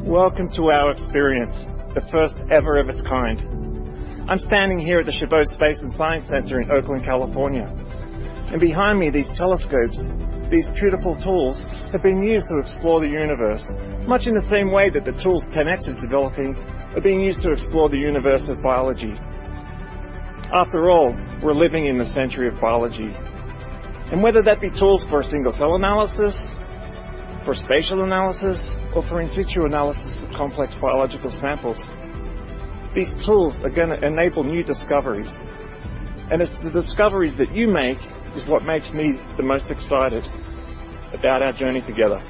Welcome to our Xperience, the first ever of its kind. I'm standing here at the Chabot Space and Science Center in Oakland, California, and behind me, these telescopes, these beautiful tools, have been used to explore the universe much in the same way that the tools 10x is developing are being used to explore the universe of biology. After all, we're living in the century of biology, and whether that be tools for a single-cell analysis, for spatial analysis, or for in-situ analysis of complex biological samples, these tools are going to enable new discoveries. It's the discoveries that you make is what makes me the most excited about our journey together.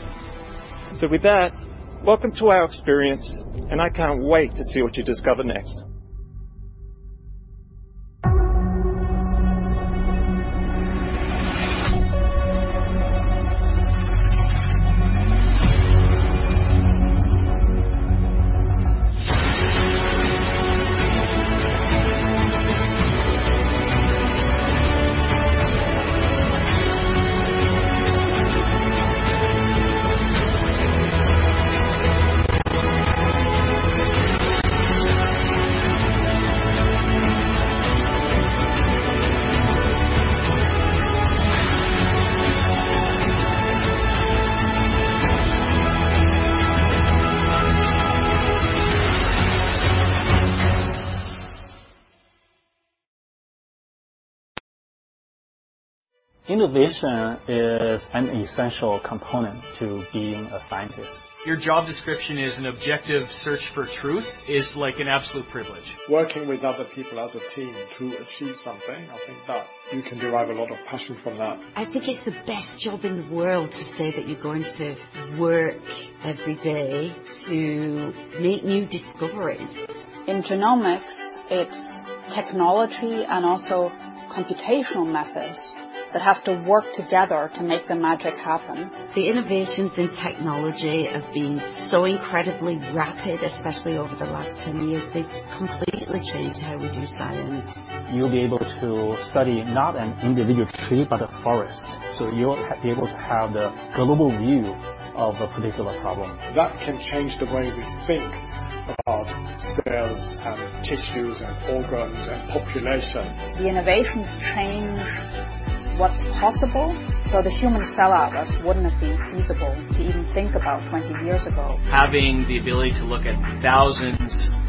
With that, welcome to our Xperience, and I can't wait to see what you discover next. Innovation is an essential component to being a scientist. Your job description is an objective search for truth is like an absolute privilege. Working with other people as a team to achieve something, I think that you can derive a lot of passion from that. I think it's the best job in the world to say that you're going to work every day to make new discoveries. In genomics, it's technology and also computational methods that have to work together to make the magic happen. The innovations in technology have been so incredibly rapid, especially over the last 10 years. They've completely changed how we do science. You'll be able to study not an individual tree, but a forest. You'll be able to have the global view of a particular problem. That can change the way we think about cells and tissues and organs and population. The innovations change what's possible. The Human Cell Atlas wouldn't have been feasible to even think about 20 years ago. Having the ability to look at thousands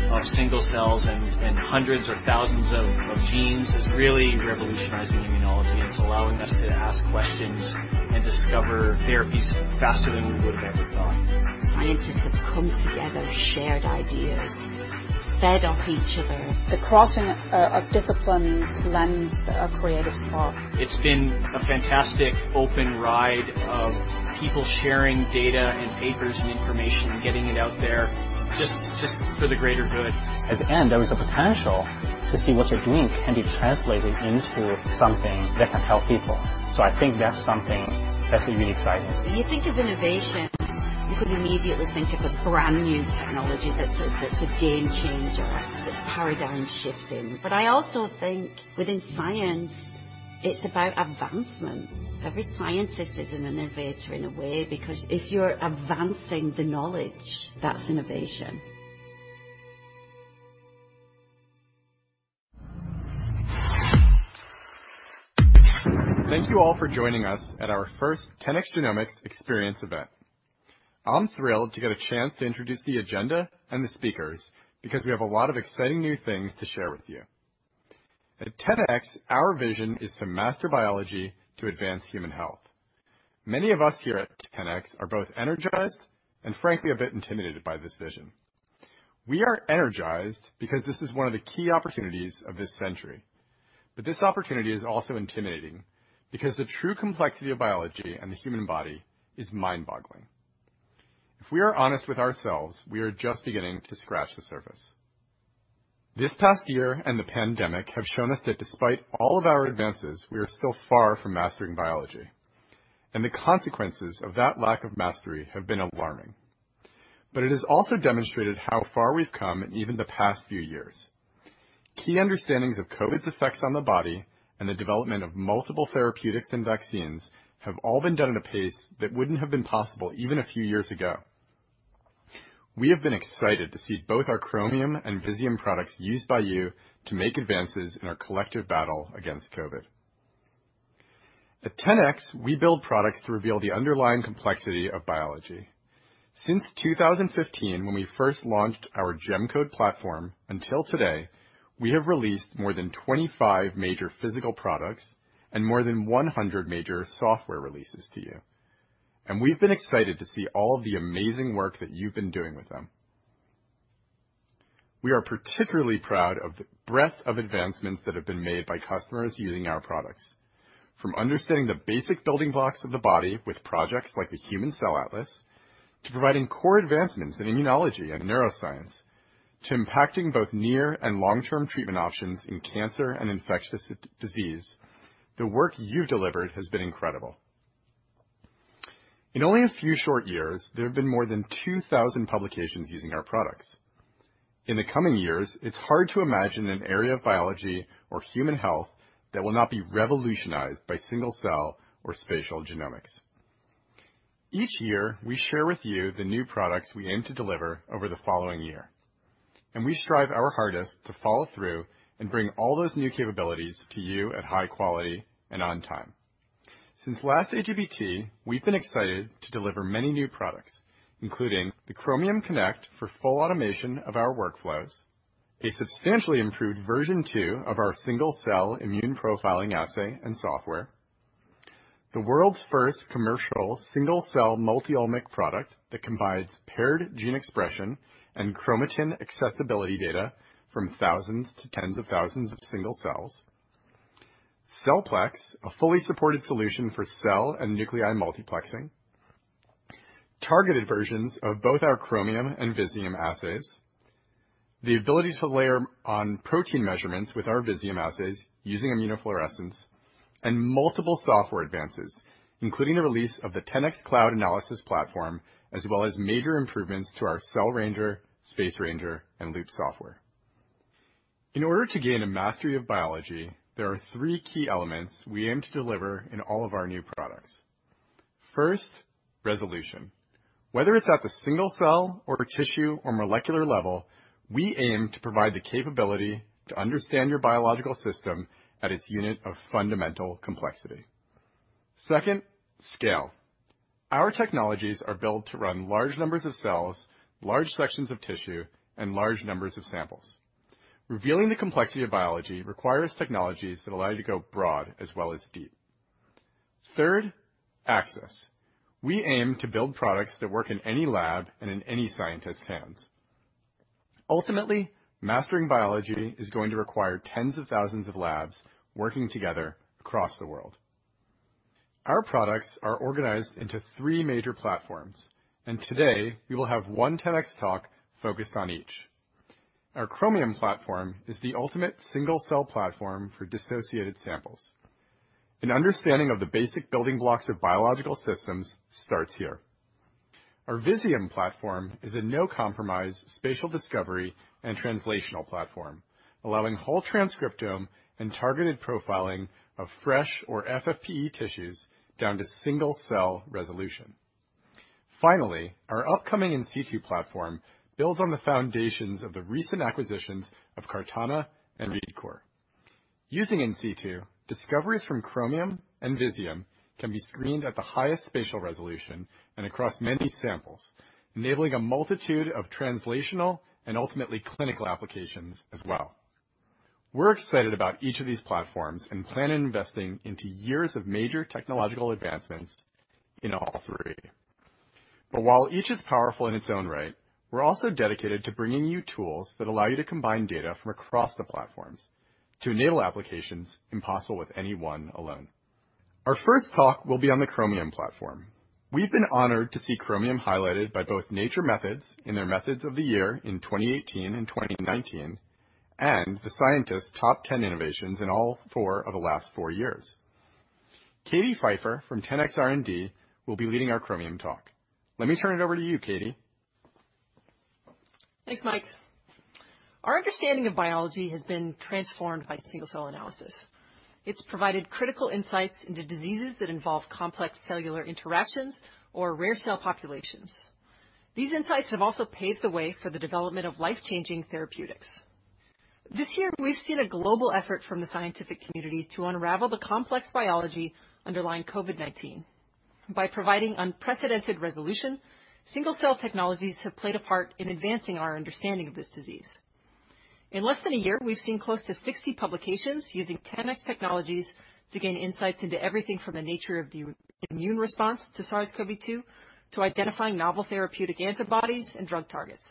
of single cells and hundreds or thousands of genes is really revolutionizing immunology, and it's allowing us to ask questions and discover therapies faster than we would have ever thought. Scientists have come together, shared ideas, fed off each other. The crossing of disciplines lends a creative spark. It's been a fantastic open ride of people sharing data and papers and information, getting it out there just for the greater good. At the end, there is a potential to see what you're doing can be translated into something that can help people. I think that's something that's really exciting. When you think of innovation, you could immediately think of a brand-new technology that's a game-changer, that's paradigm-shifting. I also think within science, it's about advancement. Every scientist is an innovator in a way, because if you're advancing the knowledge, that's innovation. Thank you all for joining us at our first 10x Genomics Xperience Event. I'm thrilled to get a chance to introduce the agenda and the speakers because we have a lot of exciting new things to share with you. At 10x, our vision is to master biology to advance human health. Many of us here at 10x are both energized and frankly, a bit intimidated by this vision. We are energized because this is one of the key opportunities of this century. This opportunity is also intimidating because the true complexity of biology and the human body is mind-boggling. If we are honest with ourselves, we are just beginning to scratch the surface. This past year and the pandemic have shown us that despite all of our advances, we are still far from mastering biology, and the consequences of that lack of mastery have been alarming. It has also demonstrated how far we've come in even the past few years. Key understandings of COVID's effects on the body and the development of multiple therapeutics and vaccines have all been done at a pace that wouldn't have been possible even a few years ago. We have been excited to see both our Chromium and Visium products used by you to make advances in our collective battle against COVID. At 10x, we build products to reveal the underlying complexity of biology. Since 2015, when we first launched our GemCode platform, until today, we have released more than 25 major physical products and more than 100 major software releases to you, and we've been excited to see all of the amazing work that you've been doing with them. We are particularly proud of the breadth of advancements that have been made by customers using our products. From understanding the basic building blocks of the body with projects like the Human Cell Atlas, to providing core advancements in immunology and neuroscience, to impacting both near and long-term treatment options in cancer and infectious disease, the work you've delivered has been incredible. In only a few short years, there have been more than 2,000 publications using our products. In the coming years, it's hard to imagine an area of biology or human health that will not be revolutionized by single-cell or spatial genomics. Each year, we share with you the new products we aim to deliver over the following year, and we strive our hardest to follow through and bring all those new capabilities to you at high quality and on time. Since last AGBT, we've been excited to deliver many new products, including the Chromium Connect for full automation of our workflows, a substantially improved version 2 of our single-cell immune profiling assay and software, the world's first commercial single-cell multi-omic product that combines paired gene expression and chromatin accessibility data from thousands to tens of thousands of single cells, CellPlex, a fully supported solution for cell and nuclei multiplexing, targeted versions of both our Chromium and Visium assays, the ability to layer on protein measurements with our Visium assays using immunofluorescence, and multiple software advances, including the release of the 10x Genomics Cloud Analysis platform, as well as major improvements to our Cell Ranger, Space Ranger, and Loupe software. In order to gain a mastery of biology, there are three key elements we aim to deliver in all of our new products. First, resolution. Whether it's at the single-cell or tissue or molecular level, we aim to provide the capability to understand your biological system at its unit of fundamental complexity. Second, scale. Our technologies are built to run large numbers of cells, large sections of tissue, and large numbers of samples. Revealing the complexity of biology requires technologies that allow you to go broad as well as deep. Third, access. We aim to build products that work in any lab and in any scientist's hands. Ultimately, mastering biology is going to require tens of thousands of labs working together across the world. Our products are organized into three major platforms, and today, we will have one tech talk focused on each. Our Chromium platform is the ultimate single-cell platform for dissociated samples. An understanding of the basic building blocks of biological systems starts here. Our Visium platform is a no-compromise spatial discovery and translational platform, allowing whole transcriptome and targeted profiling of fresh or FFPE tissues down to single-cell resolution. Finally, our upcoming in-situ platform builds on the foundations of the recent acquisitions of CARTANA and ReadCoor. Using in-situ, discoveries from Chromium and Visium can be screened at the highest spatial resolution and across many samples, enabling a multitude of translational and ultimately clinical applications as well. We're excited about each of these platforms and plan on investing into years of major technological advancements in all three. While each is powerful in its own right, we're also dedicated to bringing you tools that allow you to combine data from across the platforms to enable applications impossible with any one alone. Our first talk will be on the Chromium platform. We've been honored to see Chromium highlighted by both Nature Methods in their Methods of the Year in 2018 and 2019, The Scientist Top 10 Innovations in all four of the last four years. Katie Pfeiffer from 10x R&D will be leading our Chromium talk. Let me turn it over to you, Katie. Thanks, Mike. Our understanding of biology has been transformed by single-cell analysis. It's provided critical insights into diseases that involve complex cellular interactions or rare cell populations. These insights have also paved the way for the development of life-changing therapeutics. This year, we've seen a global effort from the scientific community to unravel the complex biology underlying COVID-19. By providing unprecedented resolution, single-cell technologies have played a part in advancing our understanding of this disease. In less than a year, we've seen close to 60 publications using 10x technologies to gain insights into everything from the nature of the immune response to SARS-CoV-2 to identifying novel therapeutic antibodies and drug targets.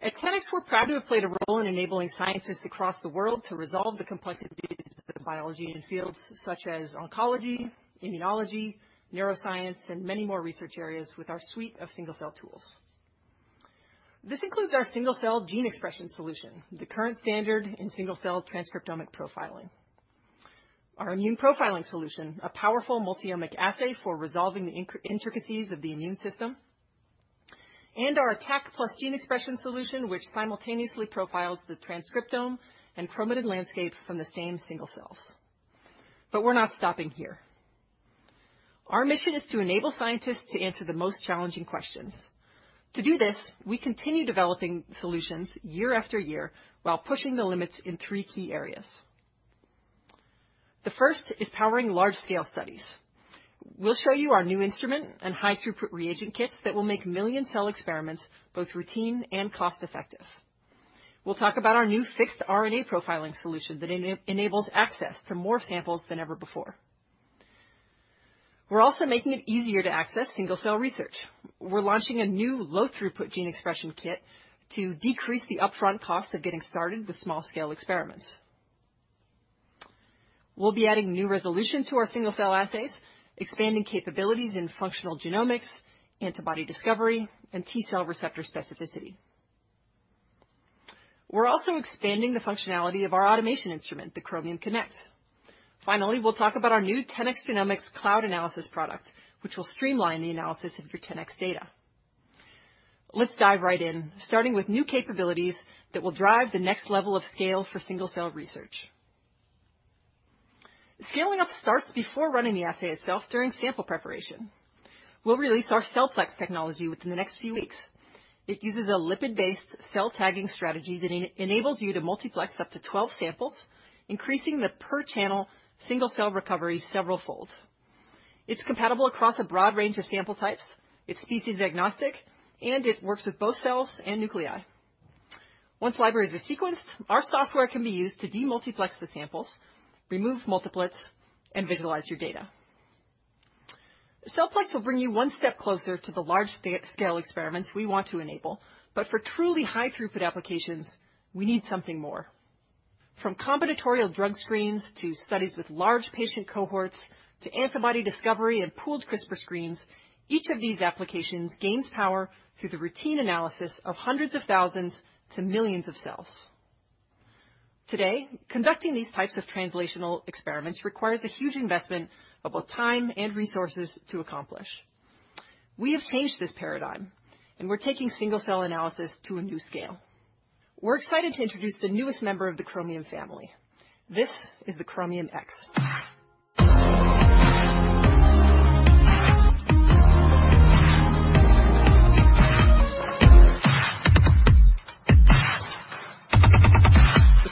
At 10x, we're proud to have played a role in enabling scientists across the world to resolve the complexities of biology in fields such as oncology, immunology, neuroscience, and many more research areas with our suite of single-cell tools. This includes our single-cell gene expression solution, the current standard in single-cell transcriptomic profiling, our immune profiling solution, a powerful multi-omic assay for resolving the intricacies of the immune system, and our ATAC plus gene expression solution, which simultaneously profiles the transcriptome and chromatin landscape from the same single cells. We're not stopping here. Our mission is to enable scientists to answer the most challenging questions. To do this, we continue developing solutions year after year while pushing the limits in three key areas. The first is powering large-scale studies. We'll show you our new instrument and high-throughput reagent kits that will make million-cell experiments both routine and cost-effective. We'll talk about our new Fixed RNA Profiling solution that enables access to more samples than ever before. We're also making it easier to access single-cell research. We're launching a new low throughput gene expression kit to decrease the upfront cost of getting started with small-scale experiments. We'll be adding new resolution to our single-cell assays, expanding capabilities in functional genomics, antibody discovery, and T-cell receptor specificity. We're also expanding the functionality of our automation instrument, the Chromium Connect. Finally, we'll talk about our new 10x Genomics Cloud Analysis product, which will streamline the analysis of your 10x data. Let's dive right in, starting with new capabilities that will drive the next level of scale for single-cell research. Scaling up starts before running the assay itself during sample preparation. We'll release our CellPlex technology within the next few weeks. It uses a lipid-based cell tagging strategy that enables you to multiplex up to 12 samples, increasing the per-channel single-cell recovery severalfold. It's compatible across a broad range of sample types, it's species-agnostic, and it works with both cells and nuclei. Once libraries are sequenced, our software can be used to demultiplex the samples, remove multiplex, and visualize your data. CellPlex will bring you one step closer to the large-scale experiments we want to enable, but for truly high-throughput applications, we need something more. From combinatorial drug screens to studies with large patient cohorts to antibody discovery and pooled CRISPR screens, each of these applications gains power through the routine analysis of hundreds of thousands to millions of cells. Today, conducting these types of translational experiments requires a huge investment of both time and resources to accomplish. We have changed this paradigm, and we're taking single-cell analysis to a new scale. We're excited to introduce the newest member of the Chromium family. This is the Chromium X. The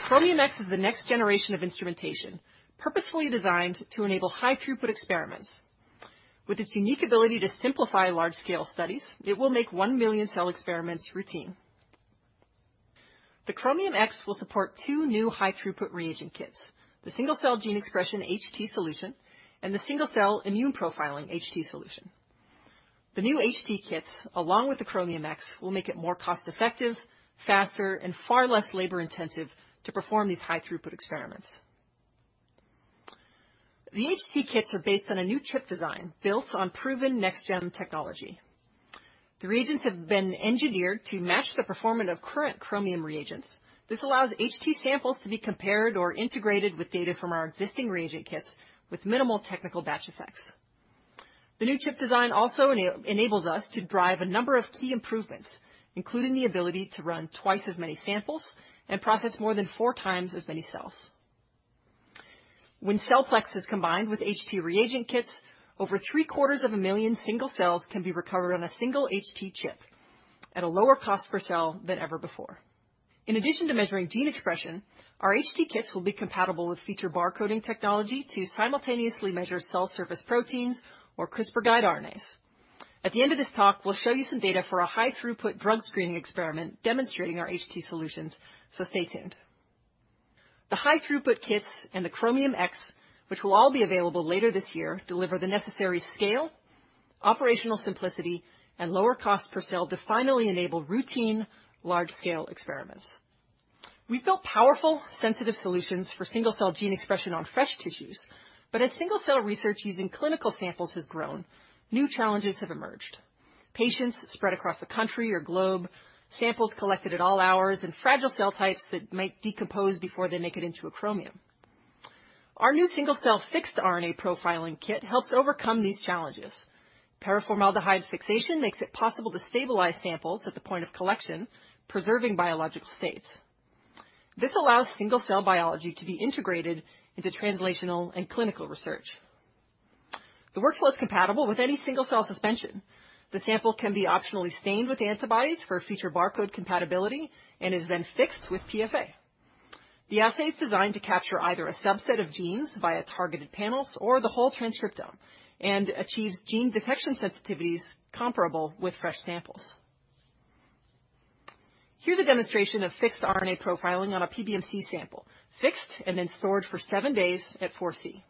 Chromium X is the next generation of instrumentation, purposefully designed to enable high-throughput experiments. With its unique ability to simplify large-scale studies, it will make 1 million cell experiments routine. The Chromium X will support two new high-throughput reagent kits, the Single Cell Gene Expression HT Solution and the Single Cell Immune Profiling HT Solution. The new HT kits, along with the Chromium X, will make it more cost-effective, faster, and far less labor-intensive to perform these high-throughput experiments. The HT kits are based on a new chip design built on proven next-gen technology. The reagents have been engineered to match the performance of current Chromium reagents. This allows HT samples to be compared or integrated with data from our existing reagent kits with minimal technical batch effects. The new chip design also enables us to drive a number of key improvements, including the ability to run twice as many samples and process more than 4 times as many cells. When CellPlex is combined with HT reagent kits, over three-quarters of a million single cells can be recovered on a single HT chip at a lower cost per cell than ever before. In addition to measuring gene expression, our HT kits will be compatible with feature barcoding technology to simultaneously measure cell surface proteins or CRISPR guide RNAs. At the end of this talk, we'll show you some data for a high-throughput drug screening experiment demonstrating our HT solutions, so stay tuned. The high-throughput kits and the Chromium X, which will all be available later this year, deliver the necessary scale, operational simplicity, and lower cost per cell to finally enable routine large-scale experiments. We've built powerful, sensitive solutions for single-cell gene expression on fresh tissues, but as single-cell research using clinical samples has grown, new challenges have emerged. Patients spread across the country or globe, samples collected at all hours, and fragile cell types that might decompose before they make it into a Chromium. Our new Single Cell Fixed RNA Profiling kit helps overcome these challenges. Paraformaldehyde fixation makes it possible to stabilize samples at the point of collection, preserving biological states. This allows single-cell biology to be integrated into translational and clinical research. The workflow is compatible with any single-cell suspension. The sample can be optionally stained with antibodies for Feature Barcode compatibility and is then fixed with PFA. The assay is designed to capture either a subset of genes via targeted panels or the whole transcriptome, and achieves gene detection sensitivities comparable with fresh samples. Here's a demonstration of fixed RNA profiling on a PBMC sample, fixed and then stored for seven days at 4 degrees Celsius.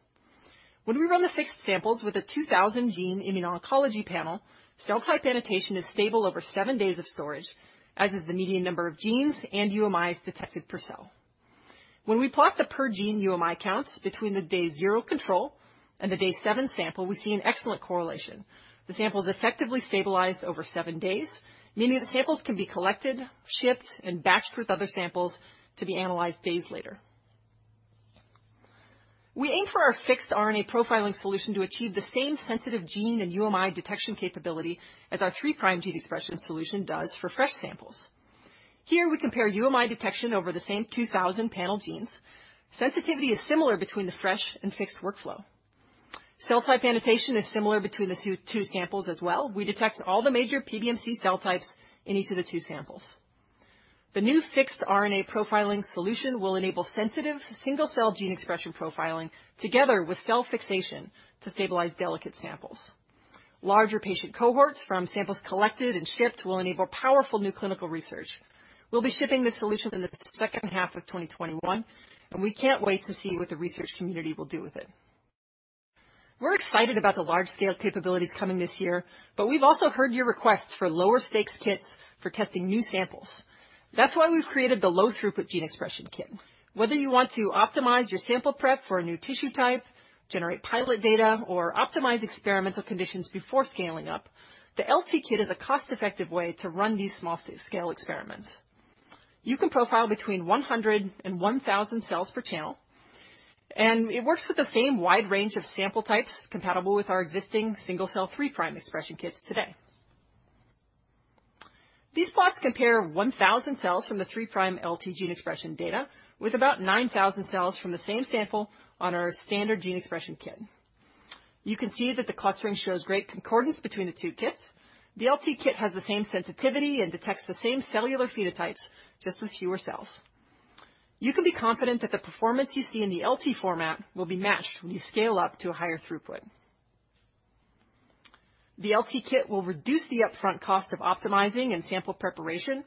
When we run the fixed samples with a 2,000-gene immuno-oncology panel, cell type annotation is stable over seven days of storage, as is the median number of genes and UMIs detected per cell. When we plot the per-gene UMI counts between the day zero control and the day seven sample, we see an excellent correlation. The sample is effectively stabilized over seven days, meaning that samples can be collected, shipped, and batched with other samples to be analyzed days later. We aim for our fixed RNA profiling solution to achieve the same sensitive gene and UMI detection capability as our 3' gene expression solution does for fresh samples. Here, we compare UMI detection over the same 2,000 panel genes. Sensitivity is similar between the fresh and fixed workflow. Cell type annotation is similar between the two samples as well. We detect all the major PBMC cell types in each of the two samples. The new fixed RNA profiling solution will enable sensitive single-cell gene expression profiling together with cell fixation to stabilize delicate samples. Larger patient cohorts from samples collected and shipped will enable powerful new clinical research. We'll be shipping this solution in the second half of 2021, and we can't wait to see what the research community will do with it. We're excited about the large-scale capabilities coming this year, but we've also heard your requests for lower-stakes kits for testing new samples. That's why we've created the Low Throughput Gene Expression Kit. Whether you want to optimize your sample prep for a new tissue type, generate pilot data, or optimize experimental conditions before scaling up, the LT kit is a cost-effective way to run these small-scale experiments. You can profile between 100 and 1,000 cells per channel, and it works with the same wide range of sample types compatible with our existing single-cell 3' expression kits today. These plots compare 1,000 cells from the 3' LT gene expression data with about 9,000 cells from the same sample on our standard gene expression kit. You can see that the clustering shows great concordance between the two kits. The LT kit has the same sensitivity and detects the same cellular phenotypes, just with fewer cells. You can be confident that the performance you see in the LT format will be matched when you scale up to a higher throughput. The LT kit will reduce the upfront cost of optimizing and sample preparation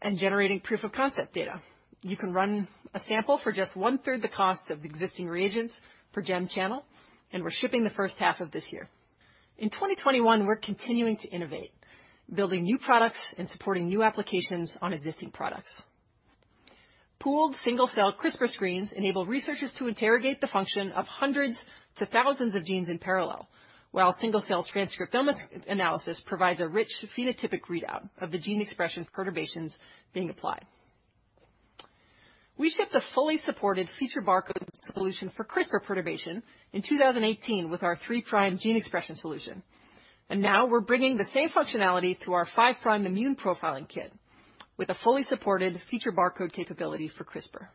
and generating proof-of-concept data. You can run a sample for just one-third the cost of existing reagents per gene expression channel, and we're shipping the first half of this year. In 2021, we're continuing to innovate, building new products and supporting new applications on existing products. Pooled single-cell CRISPR screens enable researchers to interrogate the function of hundreds to thousands of genes in parallel, while single-cell transcriptomics analysis provides a rich phenotypic readout of the gene expression perturbations being applied. We shipped a fully supported Feature Barcode solution for CRISPR perturbation in 2018 with our 3' gene expression solution, and now we're bringing the same functionality to our 5' immune profiling kit with a fully supported Feature Barcode capability for CRISPR.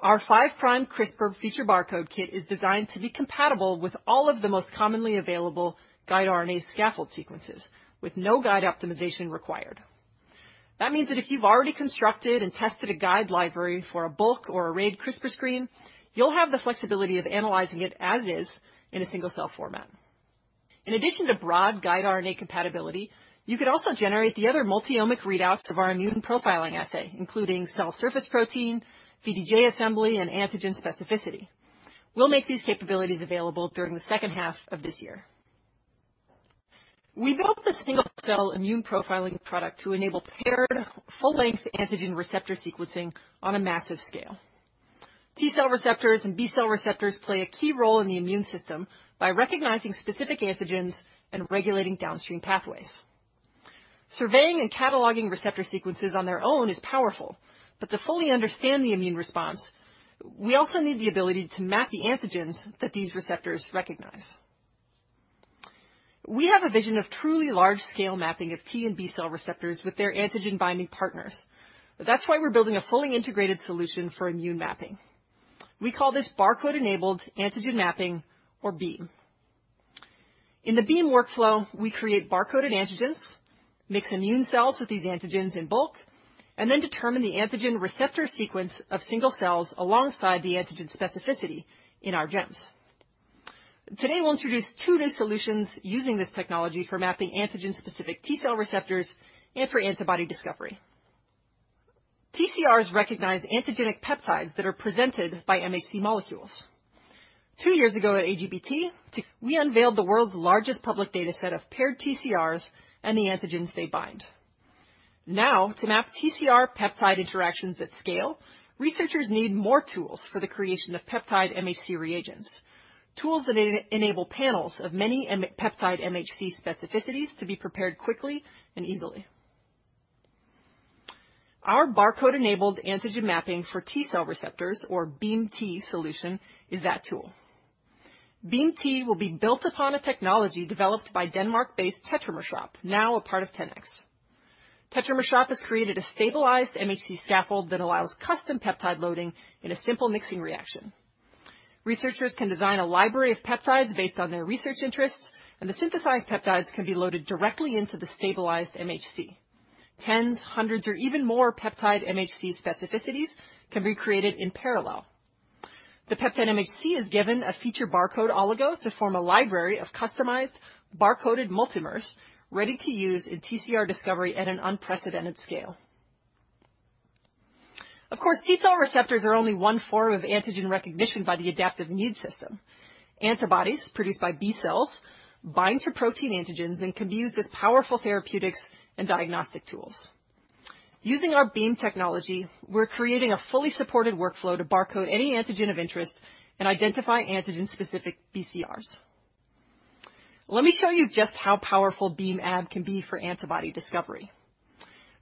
Our 5' CRISPR Feature Barcode Kit is designed to be compatible with all of the most commonly available guide RNA scaffold sequences with no guide optimization required. That means that if you've already constructed and tested a guide library for a bulk or arrayed CRISPR screen, you'll have the flexibility of analyzing it as is in a single-cell format. In addition to broad guide RNA compatibility, you could also generate the other multi-omic readouts of our immune profiling assay, including cell surface protein, VDJ assembly, and antigen specificity. We'll make these capabilities available during the second half of this year. We built the single-cell immune profiling product to enable paired full-length antigen receptor sequencing on a massive scale. T-cell receptors and B-cell receptors play a key role in the immune system by recognizing specific antigens and regulating downstream pathways. Surveying and cataloging receptor sequences on their own is powerful, to fully understand the immune response, we also need the ability to map the antigens that these receptors recognize. We have a vision of truly large-scale mapping of T and B-cell receptors with their antigen-binding partners. That's why we're building a fully integrated solution for immune mapping. We call this Barcode Enabled Antigen Mapping, or BEAM. In the BEAM workflow, we create barcoded antigens, mix immune cells with these antigens in bulk, and then determine the antigen receptor sequence of single cells alongside the antigen specificity in our GEMs. Today, we'll introduce two new solutions using this technology for mapping antigen-specific T-cell receptors and for antibody discovery. TCRs recognize antigenic peptides that are presented by MHC molecules. Two years ago at AGBT, we unveiled the world's largest public data set of paired TCRs and the antigens they bind. Now, to map TCR peptide interactions at scale, researchers need more tools for the creation of peptide MHC reagents, tools that enable panels of many peptide MHC specificities to be prepared quickly and easily. Our Barcode Enabled Antigen Mapping for T-cell receptors, or BEAM-T solution, is that tool. BEAM-T will be built upon a technology developed by Denmark-based Tetramer Shop, now a part of 10x. Tetramer Shop has created a stabilized MHC scaffold that allows custom peptide loading in a simple mixing reaction. Researchers can design a library of peptides based on their research interests. The synthesized peptides can be loaded directly into the stabilized MHC. Tens, hundreds, or even more peptide MHC specificities can be created in parallel. The peptide MHC is given a Feature Barcode oligo to form a library of customized barcoded multimers ready to use in TCR discovery at an unprecedented scale. Of course, T-cell receptors are only one form of antigen recognition by the adaptive immune system. Antibodies produced by B-cells bind to protein antigens and can be used as powerful therapeutics and diagnostic tools. Using our BEAM technology, we're creating a fully supported workflow to barcode any antigen of interest and identify antigen-specific BCRs. Let me show you just how powerful BEAM-Ab can be for antibody discovery.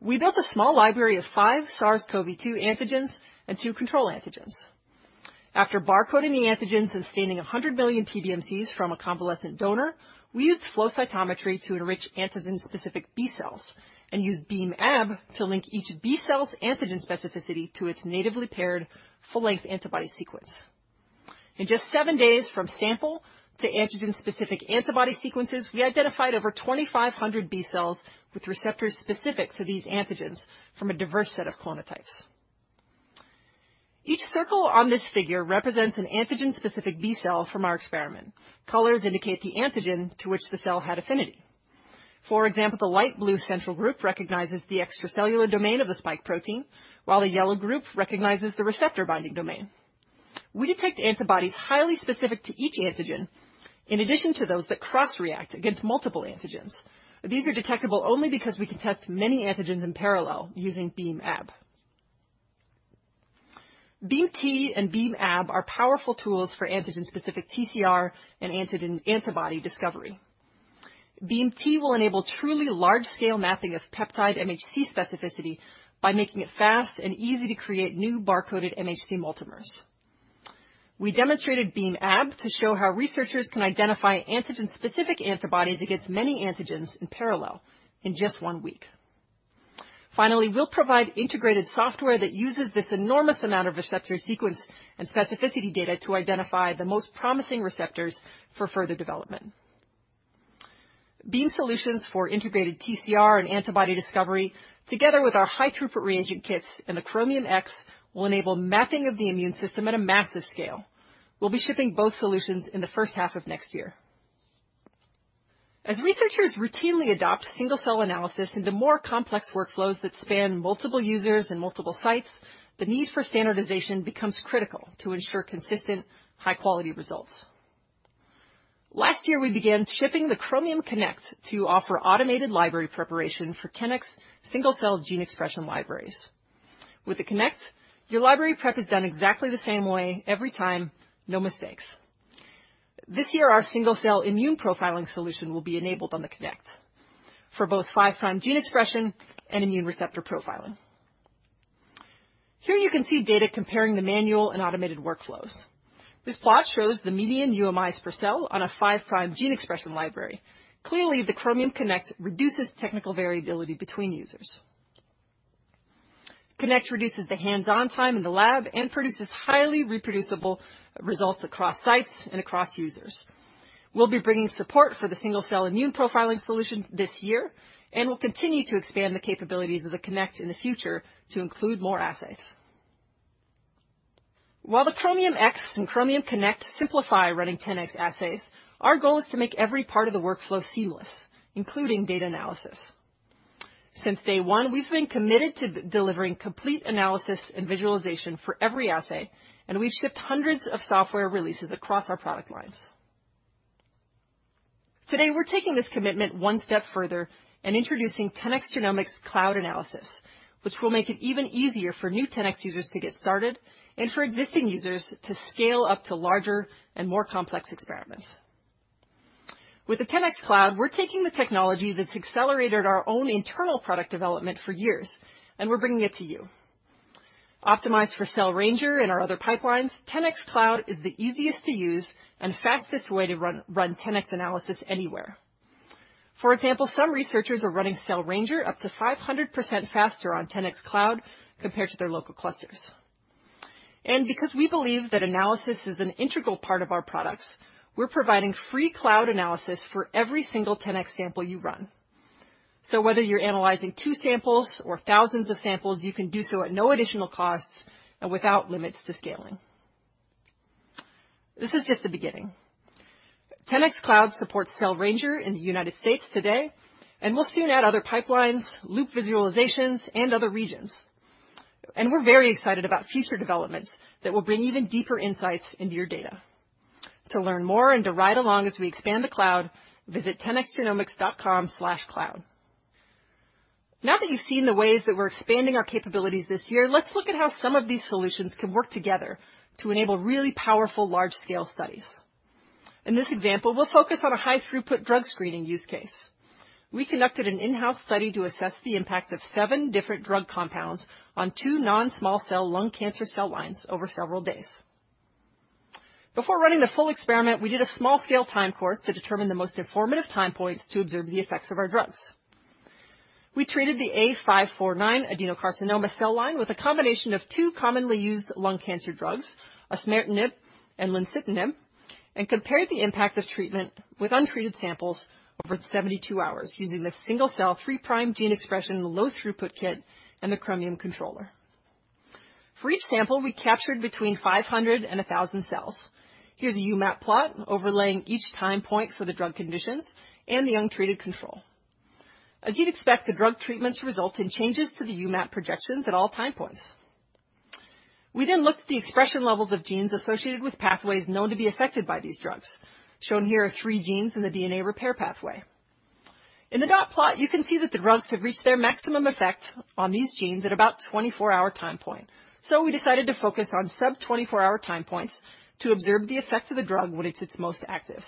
We built a small library of five SARS-CoV-2 antigens and two control antigens. After barcoding the antigens and staining 100 million PBMCs from a convalescent donor, we used flow cytometry to enrich antigen-specific B-cells and used BEAM-Ab to link each B-cell's antigen specificity to its natively paired full-length antibody sequence. In just seven days from sample to antigen-specific antibody sequences, we identified over 2,500 B-cells with receptors specific to these antigens from a diverse set of clonotypes. Each circle on this figure represents an antigen-specific B-cell from our experiment. Colors indicate the antigen to which the cell had affinity. For example, the light blue central group recognizes the extracellular domain of the spike protein, while the yellow group recognizes the receptor-binding domain. We detect antibodies highly specific to each antigen, in addition to those that cross-react against multiple antigens. These are detectable only because we can test many antigens in parallel using BEAM-Ab. BEAM-T and BEAM-Ab are powerful tools for antigen-specific TCR and antibody discovery. BEAM-T will enable truly large-scale mapping of peptide MHC specificity by making it fast and easy to create new bar-coded MHC multimers. We demonstrated BEAM-Ab to show how researchers can identify antigen-specific antibodies against many antigens in parallel in just one week. Finally, we'll provide integrated software that uses this enormous amount of receptor sequence and specificity data to identify the most promising receptors for further development. BEAM solutions for integrated TCR and antibody discovery, together with our high throughput reagent kits and the Chromium X, will enable mapping of the immune system at a massive scale. We'll be shipping both solutions in the first half of next year. As researchers routinely adopt single-cell analysis into more complex workflows that span multiple users and multiple sites, the need for standardization becomes critical to ensure consistent, high-quality results. Last year, we began shipping the Chromium Connect to offer automated library preparation for 10x single-cell gene expression libraries. With the Connect, your library prep is done exactly the same way every time, no mistakes. This year, our single-cell immune profiling solution will be enabled on the Connect for both 5' gene expression and immune receptor profiling. Here you can see data comparing the manual and automated workflows. This plot shows the median UMIs per cell on a 5' gene expression library. Clearly, the Chromium Connect reduces technical variability between users. Connect reduces the hands-on time in the lab and produces highly reproducible results across sites and across users. We'll be bringing support for the single-cell immune profiling solution this year. We'll continue to expand the capabilities of the Connect in the future to include more assays. While the Chromium X and Chromium Connect simplify running 10x assays, our goal is to make every part of the workflow seamless, including data analysis. Since day one, we've been committed to delivering complete analysis and visualization for every assay, and we've shipped hundreds of software releases across our product lines. Today, we're taking this commitment one step further and introducing 10x Genomics Cloud Analysis, which will make it even easier for new 10x users to get started and for existing users to scale up to larger and more complex experiments. With the 10x Cloud, we're taking the technology that's accelerated our own internal product development for years, and we're bringing it to you. Optimized for Cell Ranger and our other pipelines, 10x Cloud is the easiest to use and fastest way to run 10x analysis anywhere. For example, some researchers are running Cell Ranger up to 500% faster on 10x Cloud compared to their local clusters. Because we believe that analysis is an integral part of our products, we're providing free cloud analysis for every single 10x sample you run. Whether you're analyzing two samples or thousands of samples, you can do so at no additional costs and without limits to scaling. This is just the beginning. 10x Cloud supports Cell Ranger in the United States today, and we'll soon add other pipelines, Loupe visualizations, and other regions. We're very excited about future developments that will bring even deeper insights into your data. To learn more and to ride along as we expand the cloud, visit 10xgenomics.com/cloud. Now that you've seen the ways that we're expanding our capabilities this year, let's look at how some of these solutions can work together to enable really powerful large-scale studies. In this example, we'll focus on a high-throughput drug screening use case. We conducted an in-house study to assess the impact of seven different drug compounds on two non-small cell lung cancer cell lines over several days. Before running the full experiment, we did a small-scale time course to determine the most informative time points to observe the effects of our drugs. We treated the A549 adenocarcinoma cell line with a combination of two commonly used lung cancer drugs, osimertinib and lenvatinib, and compared the impact of treatment with untreated samples over 72 hours using the Single-Cell 3' Gene Expression Low Throughput Kit and the Chromium Controller. For each sample, we captured between 500 and 1,000 cells. Here's a UMAP plot overlaying each time point for the drug conditions and the untreated control. As you'd expect, the drug treatments result in changes to the UMAP projections at all time points. We looked at the expression levels of genes associated with pathways known to be affected by these drugs. Shown here are three genes in the DNA repair pathway. In the dot plot, you can see that the drugs have reached their maximum effect on these genes at about 24-hour time point. We decided to focus on sub-24-hour time points to observe the effect of the drug when it's its most active.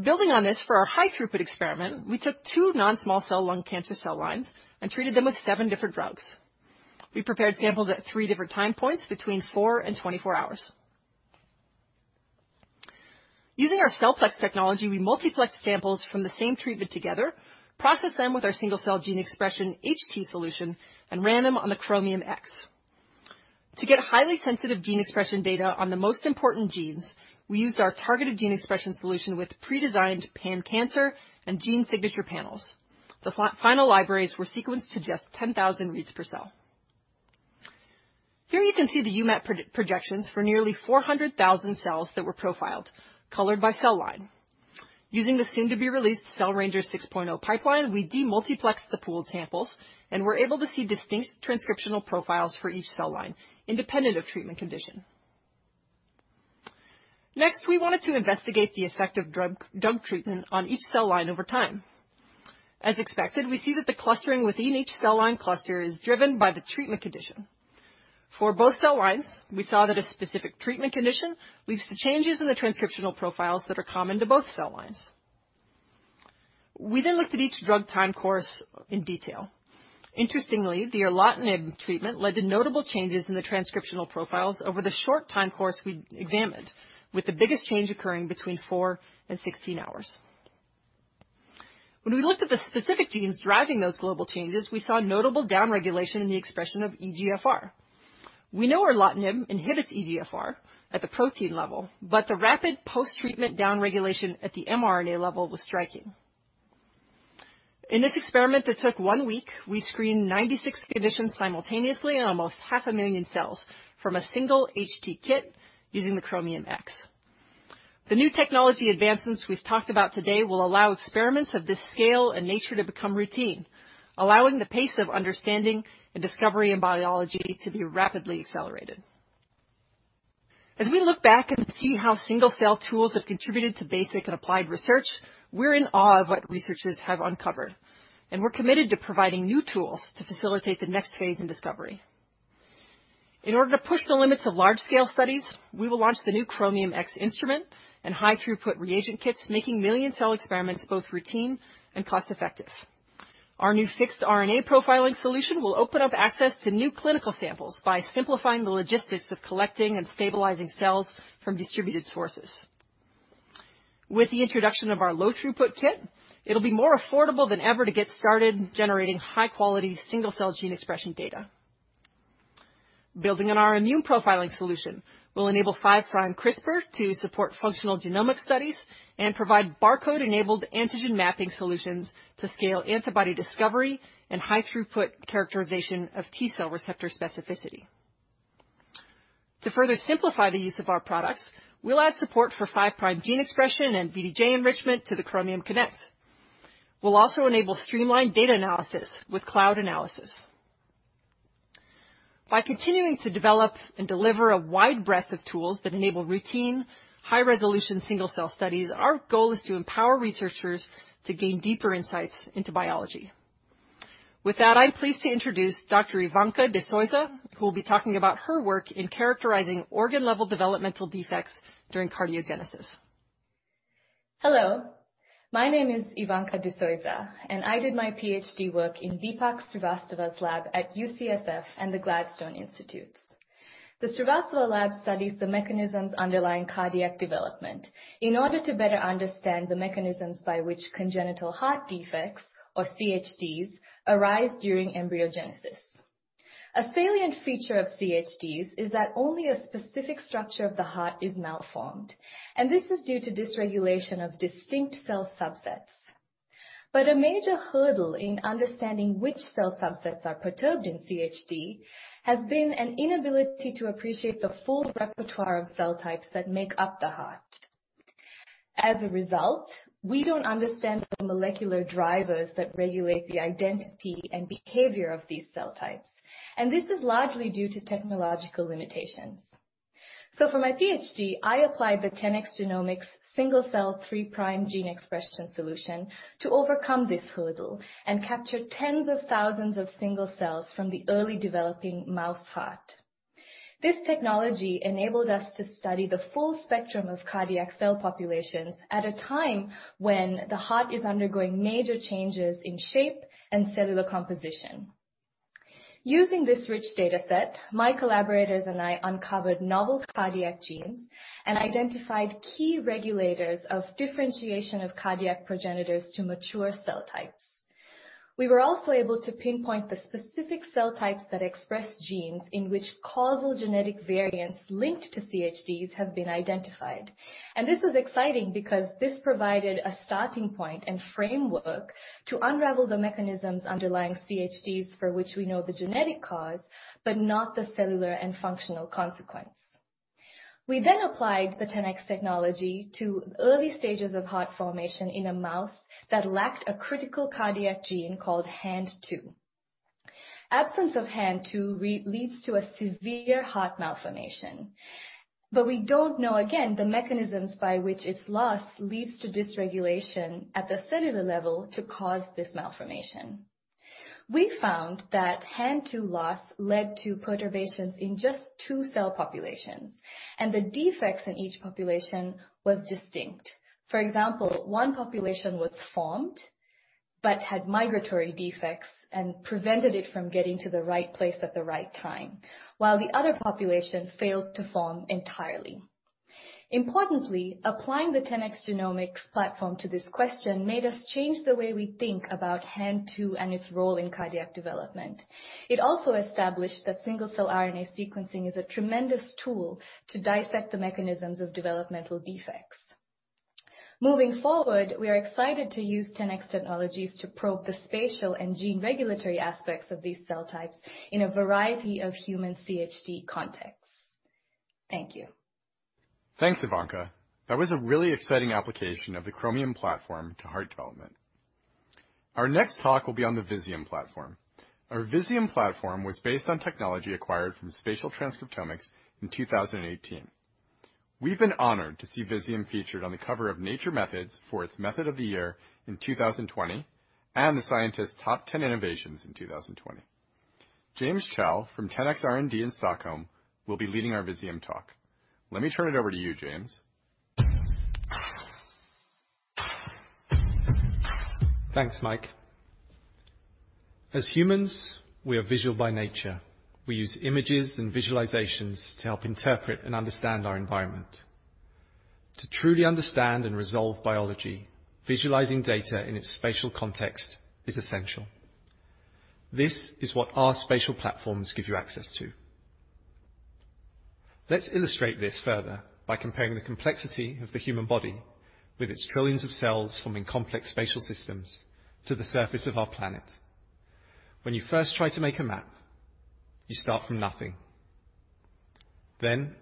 Building on this, for our high-throughput experiment, we took two non-small cell lung cancer cell lines and treated them with seven different drugs. We prepared samples at three different time points between four and 24 hours. Using our CellPlex technology, we multiplexed samples from the same treatment together, processed them with our single-cell gene expression HT solution, and ran them on the Chromium X. To get highly sensitive gene expression data on the most important genes, we used our targeted gene expression solution with pre-designed pan-cancer and gene signature panels. The final libraries were sequenced to just 10,000 reads per cell. Here you can see the UMAP projections for nearly 400,000 cells that were profiled, colored by cell line. Using the soon-to-be-released Cell Ranger 6.0 pipeline, we demultiplexed the pooled samples and were able to see distinct transcriptional profiles for each cell line, independent of treatment condition. Next, we wanted to investigate the effect of drug treatment on each cell line over time. As expected, we see that the clustering within each cell line cluster is driven by the treatment condition. For both cell lines, we saw that a specific treatment condition leads to changes in the transcriptional profiles that are common to both cell lines. We looked at each drug time course in detail. Interestingly, the erlotinib treatment led to notable changes in the transcriptional profiles over the short time course we examined, with the biggest change occurring between four and 16 hours. We looked at the specific genes driving those global changes, we saw notable downregulation in the expression of EGFR. We know erlotinib inhibits EGFR at the protein level, the rapid post-treatment downregulation at the mRNA level was striking. In this experiment that took one week, we screened 96 conditions simultaneously on almost half a million cells from a single HT kit using the Chromium X. The new technology advancements we've talked about today will allow experiments of this scale and nature to become routine, allowing the pace of understanding and discovery in biology to be rapidly accelerated. As we look back and see how single-cell tools have contributed to basic and applied research, we're in awe of what researchers have uncovered, and we're committed to providing new tools to facilitate the next phase in discovery. In order to push the limits of large-scale studies, we will launch the new Chromium X instrument and high-throughput reagent kits, making million-cell experiments both routine and cost-effective. Our new fixed RNA profiling solution will open up access to new clinical samples by simplifying the logistics of collecting and stabilizing cells from distributed sources. With the introduction of our Low Throughput Kit, it'll be more affordable than ever to get started generating high-quality single-cell gene expression data. Building on our immune profiling solution, we'll enable 5' CRISPR to support functional genomic studies and provide Barcode Enabled Antigen Mapping solutions to scale antibody discovery and high-throughput characterization of T-cell receptor specificity. To further simplify the use of our products, we'll add support for 5' gene expression and VDJ enrichment to the Chromium Connect. We'll also enable streamlined data analysis with cloud analysis. By continuing to develop and deliver a wide breadth of tools that enable routine, high-resolution single-cell studies, our goal is to empower researchers to gain deeper insights into biology. With that, I'm pleased to introduce Dr. Yvanka de Soysa, who will be talking about her work in characterizing organ-level developmental defects during cardiogenesis. Hello. My name is Yvanka de Soysa, and I did my PhD work in Deepak Srivastava's lab at UCSF and the Gladstone Institutes. The Srivastava Lab studies the mechanisms underlying cardiac development in order to better understand the mechanisms by which congenital heart defects, or CHDs, arise during embryogenesis. A salient feature of CHDs is that only a specific structure of the heart is malformed, and this is due to dysregulation of distinct cell subsets. A major hurdle in understanding which cell subsets are perturbed in CHD has been an inability to appreciate the full repertoire of cell types that make up the heart. As a result, we don't understand the molecular drivers that regulate the identity and behavior of these cell types, and this is largely due to technological limitations. For my PhD, I applied the 10x Genomics single-cell 3' gene expression solution to overcome this hurdle and capture tens of thousands of single cells from the early developing mouse heart. This technology enabled us to study the full spectrum of cardiac cell populations at a time when the heart is undergoing major changes in shape and cellular composition. Using this rich data set, my collaborators and I uncovered novel cardiac genes and identified key regulators of differentiation of cardiac progenitors to mature cell types. We were also able to pinpoint the specific cell types that express genes in which causal genetic variants linked to CHDs have been identified. This is exciting because this provided a starting point and framework to unravel the mechanisms underlying CHDs for which we know the genetic cause but not the cellular and functional consequence. We then applied the 10x technology to early stages of heart formation in a mouse that lacked a critical cardiac gene called Hand2. Absence of Hand2 leads to a severe heart malformation. We don't know, again, the mechanisms by which its loss leads to dysregulation at the cellular level to cause this malformation. We found that Hand2 loss led to perturbations in just two cell populations, and the defects in each population was distinct. For example, one population was formed but had migratory defects and prevented it from getting to the right place at the right time, while the other population failed to form entirely. Importantly, applying the 10x Genomics platform to this question made us change the way we think about Hand2 and its role in cardiac development. It also established that single-cell RNA sequencing is a tremendous tool to dissect the mechanisms of developmental defects. Moving forward, we are excited to use 10x technologies to probe the spatial and gene regulatory aspects of these cell types in a variety of human CHD contexts. Thank you. Thanks, Yvanka. That was a really exciting application of the Chromium platform to heart development. Our next talk will be on the Visium platform. Our Visium platform was based on technology acquired from Spatial Transcriptomics in 2018. We've been honored to see Visium featured on the cover of "Nature Methods" for its Method of the Year in 2020, and "The Scientist" Top 10 Innovations in 2020. James Chow from 10x R&D in Stockholm will be leading our Visium talk. Let me turn it over to you, James. Thanks, Mike. As humans, we are visual by nature. We use images and visualizations to help interpret and understand our environment. To truly understand and resolve biology, visualizing data in its spatial context is essential. This is what our spatial platforms give you access to. Let's illustrate this further by comparing the complexity of the human body, with its trillions of cells forming complex spatial systems, to the surface of our planet. When you first want to make a map, you start from nothing, then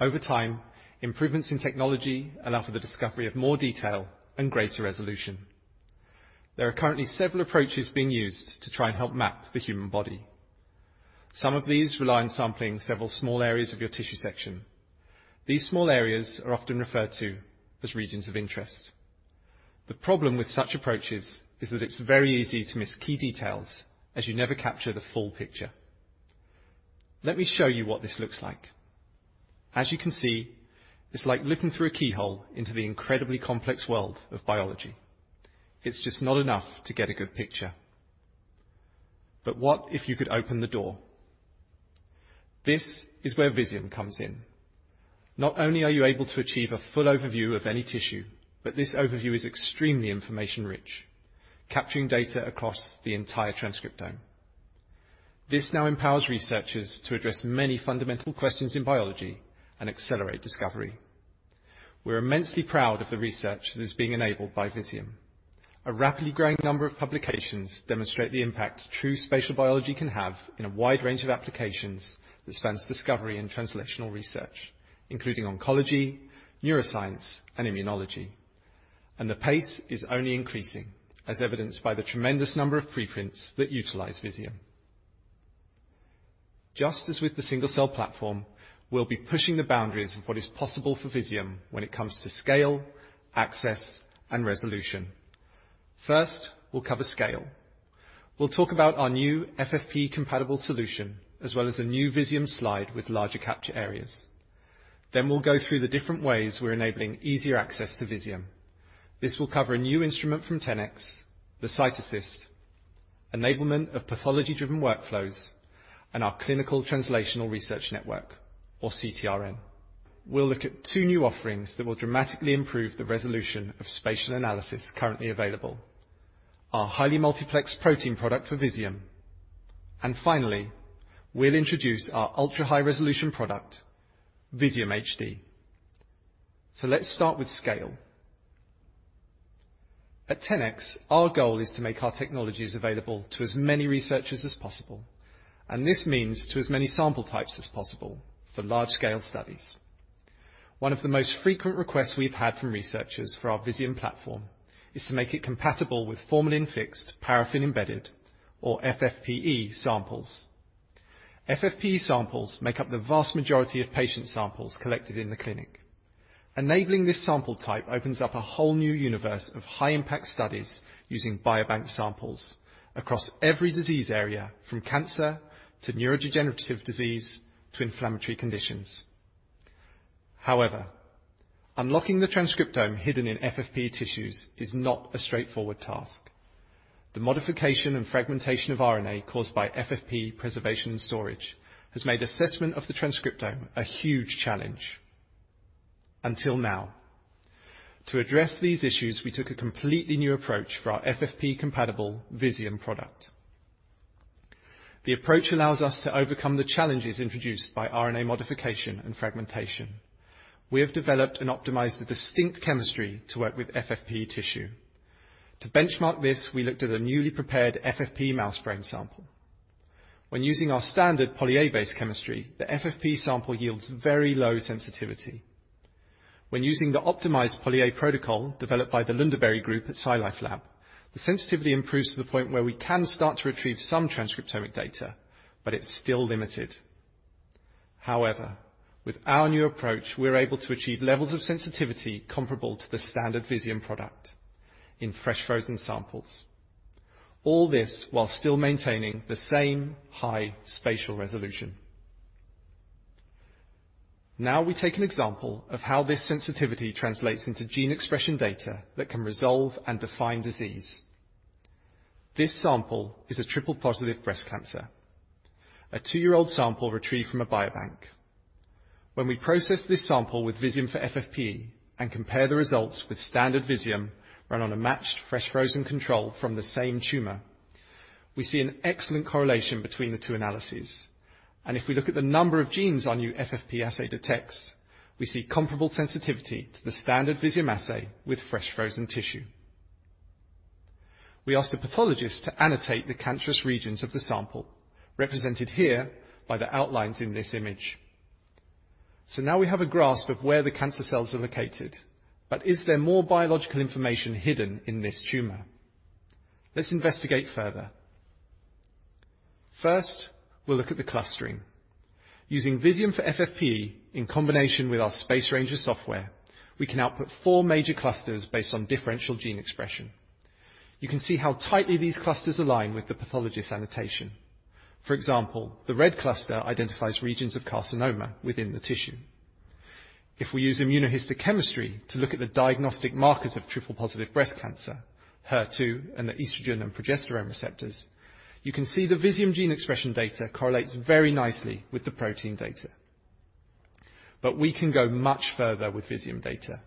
over time, improvements in technology allow for the discovery of more detail and greater resolution. There are currently several approaches being used to try and help map the human body. Some of these rely on sampling several small areas of your tissue section. These small areas are often referred to as regions of interest. The problem with such approaches is that it's very easy to miss key details, as you never capture the full picture. Let me show you what this looks like. As you can see, it's like looking through a keyhole into the incredibly complex world of biology. It's just not enough to get a good picture. What if you could open the door? This is where Visium comes in. Not only are you able to achieve a full overview of any tissue, but this overview is extremely information-rich, capturing data across the entire transcriptome. This now empowers researchers to address many fundamental questions in biology and accelerate discovery. We're immensely proud of the research that is being enabled by Visium. A rapidly growing number of publications demonstrate the impact true spatial biology can have in a wide range of applications that spans discovery and translational research, including oncology, neuroscience, and immunology. The pace is only increasing, as evidenced by the tremendous number of preprints that utilize Visium. Just as with the single-cell platform, we'll be pushing the boundaries of what is possible for Visium when it comes to scale, access, and resolution. First, we'll cover scale. We'll talk about our new FFPE-compatible solution, as well as a new Visium slide with larger capture areas. Then we'll go through the different ways we're enabling easier access to Visium. This will cover a new instrument from 10x, the CytAssist, enablement of pathology-driven workflows, and our Clinical Translational Research Network, or CTRN. We'll look at two new offerings that will dramatically improve the resolution of spatial analysis currently available, our highly multiplexed protein product for Visium, and finally, we'll introduce our ultra-high-resolution product, Visium HD. Let's start with scale. At 10x, our goal is to make our technologies available to as many researchers as possible, and this means to as many sample types as possible for large-scale studies. One of the most frequent requests we've had from researchers for our Visium platform is to make it compatible with formalin fixed, paraffin embedded, or FFPE samples. FFPE samples make up the vast majority of patient samples collected in the clinic. Enabling this sample type opens up a whole new universe of high-impact studies using biobank samples across every disease area from cancer to neurodegenerative disease to inflammatory conditions. However, unlocking the transcriptome hidden in FFPE tissues is not a straightforward task. The modification and fragmentation of RNA caused by FFPE preservation and storage has made assessment of the transcriptome a huge challenge. Until now, to address these issues, we took a completely new approach for our FFPE-compatible Visium product. The approach allows us to overcome the challenges introduced by RNA modification and fragmentation. We have developed and optimized a distinct chemistry to work with FFPE tissue. To benchmark this, we looked at a newly prepared FFPE mouse brain sample. When using our standard poly(A)-based chemistry, the FFPE sample yields very low sensitivity. When using the optimized poly(A) protocol developed by the Lundeberg group at SciLifeLab, the sensitivity improves to the point where we can start to retrieve some transcriptomic data, but it's still limited. With our new approach, we're able to achieve levels of sensitivity comparable to the standard Visium product in fresh frozen samples. All this while still maintaining the same high spatial resolution. Now, we take an example of how this sensitivity translates into gene expression data that can resolve and define disease. This sample is a triple positive breast cancer, a two-year-old sample retrieved from a biobank. When we process this sample with Visium for FFPE and compare the results with standard Visium run on a matched fresh frozen control from the same tumor, we see an excellent correlation between the two analyses. If we look at the number of genes our new FFPE assay detects, we see comparable sensitivity to the standard Visium assay with fresh frozen tissue. We asked the pathologist to annotate the cancerous regions of the sample, represented here by the outlines in this image. Now we have a grasp of where the cancer cells are located, but is there more biological information hidden in this tumor? Let's investigate further. First, we'll look at the clustering. Using Visium for FFPE in combination with our Space Ranger software, we can output four major clusters based on differential gene expression. You can see how tightly these clusters align with the pathologist annotation. For example, the red cluster identifies regions of carcinoma within the tissue. If we use immunohistochemistry to look at the diagnostic markers of triple positive breast cancer, HER2 and the estrogen and progesterone receptors, you can see the Visium gene expression data correlates very nicely with the protein data. We can go much further with Visium data.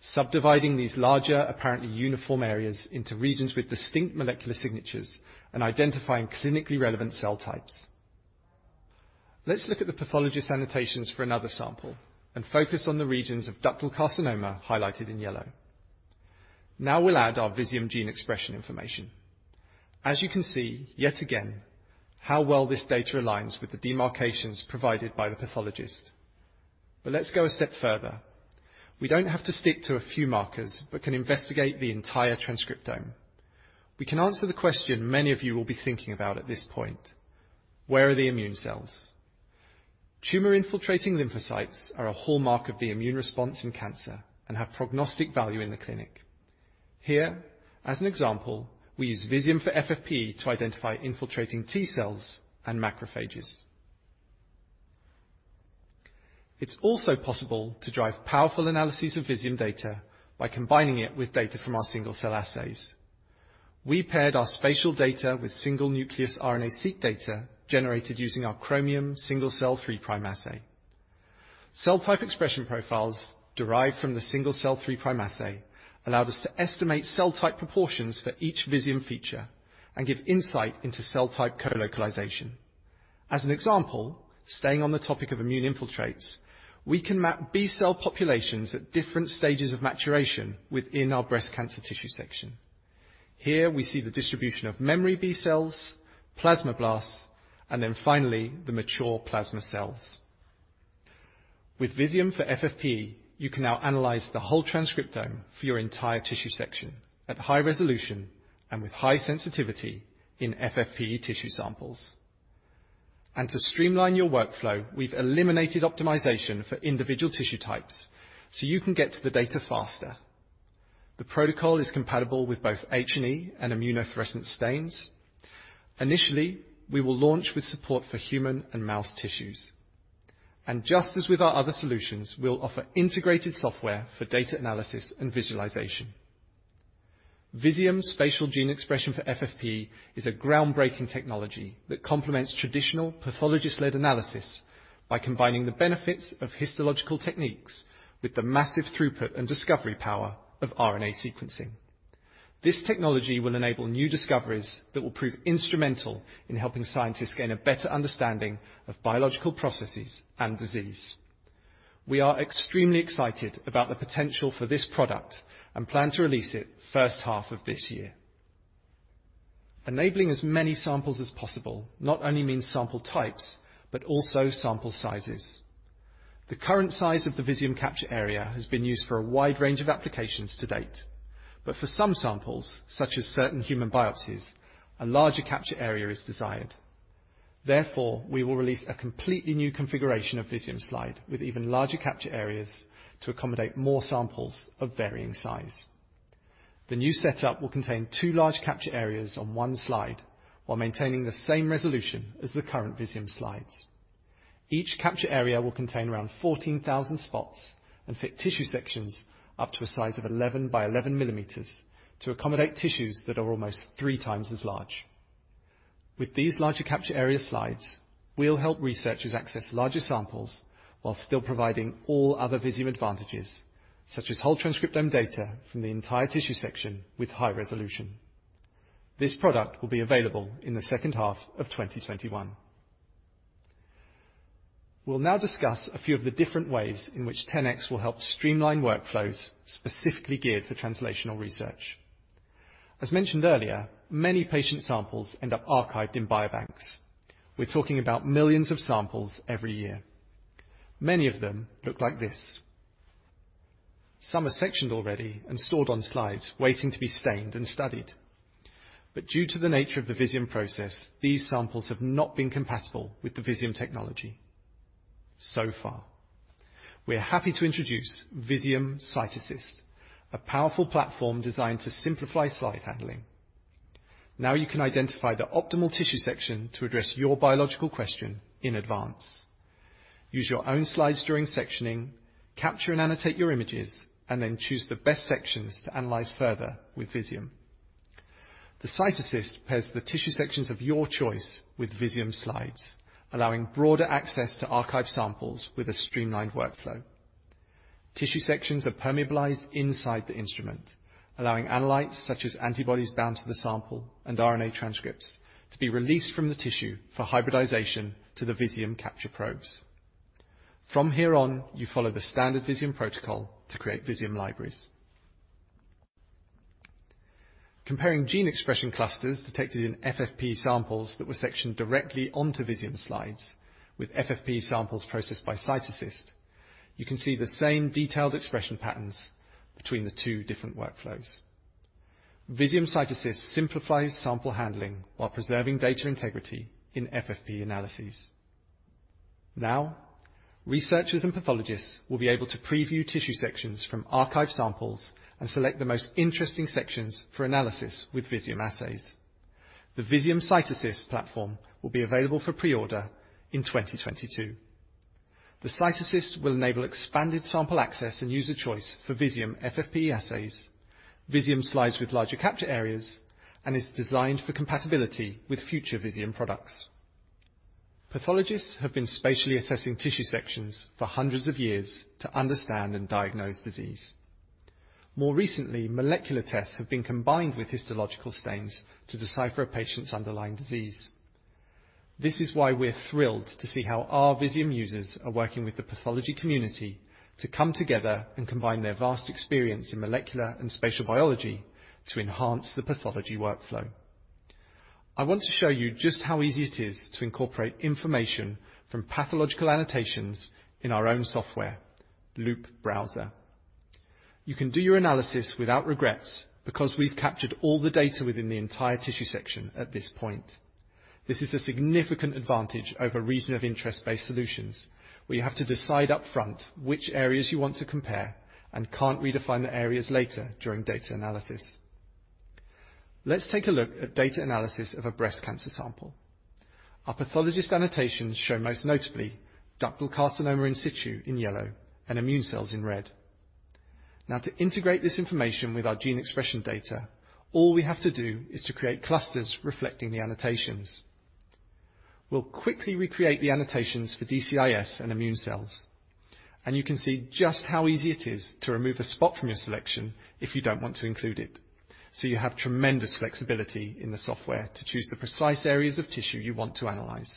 Subdividing these larger, apparently uniform areas into regions with distinct molecular signatures and identifying clinically relevant cell types. Let's look at the pathologist annotations for another sample and focus on the regions of ductal carcinoma highlighted in yellow. Now we'll add our Visium gene expression information. As you can see, yet again, how well this data aligns with the demarcations provided by the pathologist. Let's go a step further. We don't have to stick to a few markers but can investigate the entire transcriptome. We can answer the question many of you will be thinking about at this point. Where are the immune cells? Tumor-infiltrating lymphocytes are a hallmark of the immune response in cancer and have prognostic value in the clinic. Here, as an example, we use Visium for FFPE to identify infiltrating T-cells and macrophages. It's also possible to drive powerful analyses of Visium data by combining it with data from our single-cell assays. We paired our spatial data with single-nucleus RNA seq data generated using our Chromium Single Cell 3' Assay. Cell type expression profiles derived from the Chromium Single Cell 3' Prime Assay allowed us to estimate cell type proportions for each Visium feature and give insight into cell type co-localization. As an example, staying on the topic of immune infiltrates, we can map B-cell populations at different stages of maturation within our breast cancer tissue section. Here we see the distribution of memory B-cells, plasmablasts, and then finally the mature plasma cells. With Visium for FFPE, you can now analyze the whole transcriptome for your entire tissue section at high resolution and with high sensitivity in FFPE tissue samples. To streamline your workflow, we've eliminated optimization for individual tissue types so you can get to the data faster. The protocol is compatible with both H&E and immunofluorescence stains. Initially, we will launch with support for human and mouse tissues. Just as with our other solutions, we'll offer integrated software for data analysis and visualization. Visium Spatial Gene Expression for FFPE is a groundbreaking technology that complements traditional pathologist-led analysis by combining the benefits of histological techniques with the massive throughput and discovery power of RNA sequencing. This technology will enable new discoveries that will prove instrumental in helping scientists gain a better understanding of biological processes and disease. We are extremely excited about the potential for this product and plan to release it first half of this year. Enabling as many samples as possible not only means sample types, but also sample sizes. The current size of the Visium capture area has been used for a wide range of applications to date, but for some samples, such as certain human biopsies, a larger capture area is desired. Therefore, we will release a completely new configuration of Visium Slide with even larger capture areas to accommodate more samples of varying size. The new setup will contain two large capture areas on one slide while maintaining the same resolution as the current Visium slides. Each capture area will contain around 14,000 spots and fit tissue sections up to a size of 11 by 11 millimeters to accommodate tissues that are almost 3 times as large. With these larger capture area slides, we'll help researchers access larger samples while still providing all other Visium advantages, such as whole transcriptome data from the entire tissue section with high resolution. This product will be available in the second half of 2021. We'll now discuss a few of the different ways in which 10x will help streamline workflows specifically geared for translational research. As mentioned earlier, many patient samples end up archived in biobanks. We're talking about millions of samples every year. Many of them look like this. Some are sectioned already and stored on slides waiting to be stained and studied. Due to the nature of the Visium process, these samples have not been compatible with the Visium technology so far. We are happy to introduce Visium CytAssist, a powerful platform designed to simplify slide handling. Now you can identify the optimal tissue section to address your biological question in advance. Use your own slides during sectioning, capture and annotate your images, and then choose the best sections to analyze further with Visium. The CytAssist pairs the tissue sections of your choice with Visium slides, allowing broader access to archive samples with a streamlined workflow. Tissue sections are permeabilized inside the instrument, allowing analytes such as antibodies bound to the sample and RNA transcripts, to be released from the tissue for hybridization to the Visium capture probes. From here on, you follow the standard Visium protocol to create Visium libraries. Comparing gene expression clusters detected in FFPE samples that were sectioned directly onto Visium slides with FFPE samples processed by CytAssist, you can see the same detailed expression patterns between the two different workflows. Visium CytAssist simplifies sample handling while preserving data integrity in FFPE analyses. Now, researchers and pathologists will be able to preview tissue sections from archive samples and select the most interesting sections for analysis with Visium assays. The Visium CytAssist platform will be available for pre-order in 2022. The CytAssist will enable expanded sample access and user choice for Visium FFPE assays, Visium slides with larger capture areas, and is designed for compatibility with future Visium products. Pathologists have been spatially assessing tissue sections for hundreds of years to understand and diagnose disease. More recently, molecular tests have been combined with histological stains to decipher a patient's underlying disease. This is why we're thrilled to see how our Visium users are working with the pathology community to come together and combine their vast experience in molecular and spatial biology to enhance the pathology workflow. I want to show you just how easy it is to incorporate information from pathological annotations in our own software, Loupe Browser. You can do your analysis without regrets because we've captured all the data within the entire tissue section at this point. This is a significant advantage over region of interest-based solutions, where you have to decide upfront which areas you want to compare and can't redefine the areas later during data analysis. Let's take a look at data analysis of a breast cancer sample. Our pathologist annotations show most notably ductal carcinoma in situ in yellow and immune cells in red. To integrate this information with our gene expression data, all we have to do is to create clusters reflecting the annotations. We'll quickly recreate the annotations for DCIS and immune cells, and you can see just how easy it is to remove a spot from your selection if you don't want to include it. You have tremendous flexibility in the software to choose the precise areas of tissue you want to analyze.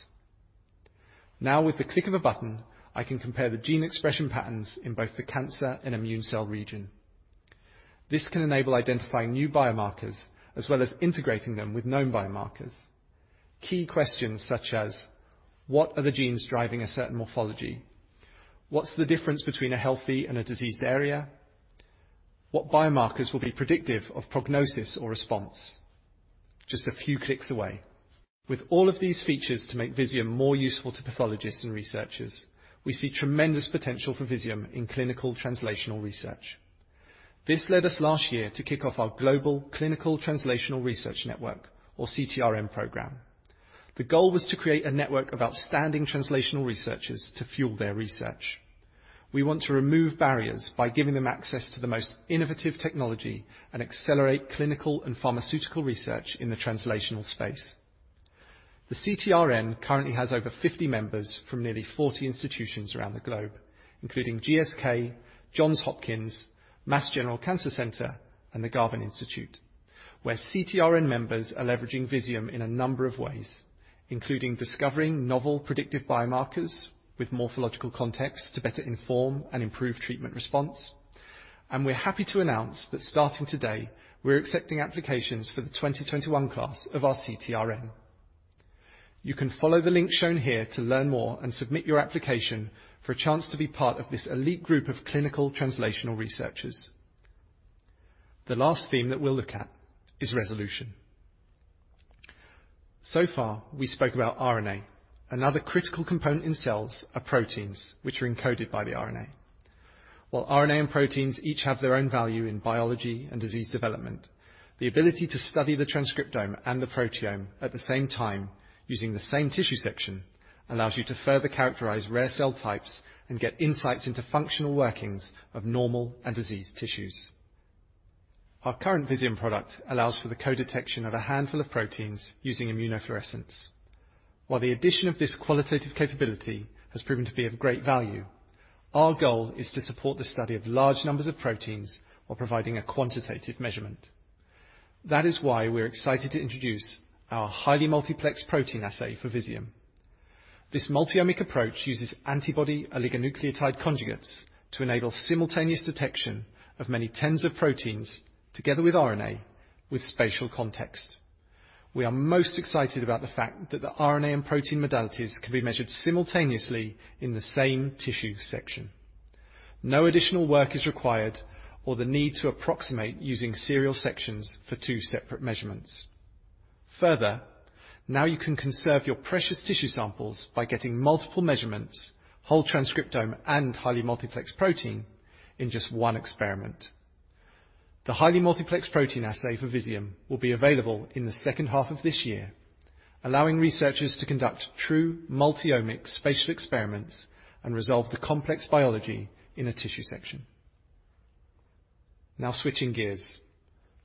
Now with the click of a button, I can compare the gene expression patterns in both the cancer and immune cell region. This can enable identifying new biomarkers, as well as integrating them with known biomarkers. Key questions such as, what are the genes driving a certain morphology? What's the difference between a healthy and a diseased area? What biomarkers will be predictive of prognosis or response? Just a few clicks away. With all of these features to make Visium more useful to pathologists and researchers, we see tremendous potential for Visium in clinical translational research. This led us last year to kick off our global Clinical Translational Research Network or CTRN program. The goal was to create a network of outstanding translational researchers to fuel their research. We want to remove barriers by giving them access to the most innovative technology and accelerate clinical and pharmaceutical research in the translational space. The CTRN currently has over 50 members from nearly 40 institutions around the globe, including GSK, Johns Hopkins, Mass General Brigham Cancer Institute, and the Garvan Institute, where CTRN members are leveraging Visium in a number of ways, including discovering novel predictive biomarkers with morphological context to better inform and improve treatment response. We're happy to announce that starting today, we're accepting applications for the 2021 class of our CTRN. You can follow the link shown here to learn more and submit your application for a chance to be part of this elite group of clinical translational researchers. The last theme that we'll look at is resolution. So far, we spoke about RNA. Another critical component in cells are proteins, which are encoded by the RNA. While RNA and proteins each have their own value in biology and disease development, the ability to study the transcriptome and the proteome at the same time using the same tissue section allows you to further characterize rare cell types and get insights into functional workings of normal and diseased tissues. Our current Visium product allows for the co-detection of a handful of proteins using immunofluorescence. While the addition of this qualitative capability has proven to be of great value, our goal is to support the study of large numbers of proteins while providing a quantitative measurement. That is why we're excited to introduce our highly multiplexed protein assay for Visium. This multi-omic approach uses antibody oligonucleotide conjugates to enable simultaneous detection of many tens of proteins together with RNA with spatial context. We are most excited about the fact that the RNA and protein modalities can be measured simultaneously in the same tissue section. No additional work is required or the need to approximate using serial sections for two separate measurements. Further, now you can conserve your precious tissue samples by getting multiple measurements, whole transcriptome, and highly multiplexed protein in just one experiment. The highly multiplexed protein assay for Visium will be available in the second half of this year, allowing researchers to conduct true multi-omics spatial experiments and resolve the complex biology in a tissue section. Now switching gears,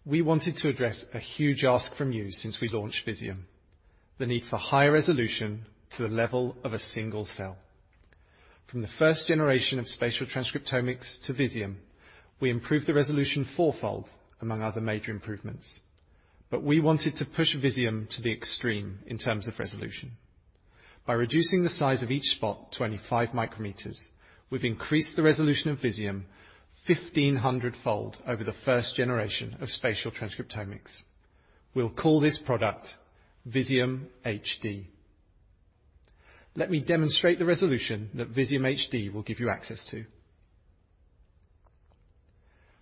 we wanted to address a huge ask from you since we launched Visium, the need for higher resolution to the level of a single cell. From the first generation of spatial transcriptomics to Visium, we improved the resolution fourfold, among other major improvements. We wanted to push Visium to the extreme in terms of resolution. By reducing the size of each spot 25 micrometers, we've increased the resolution of Visium 1,500-fold over the first generation of spatial transcriptomics. We'll call this product Visium HD. Let me demonstrate the resolution that Visium HD will give you access to.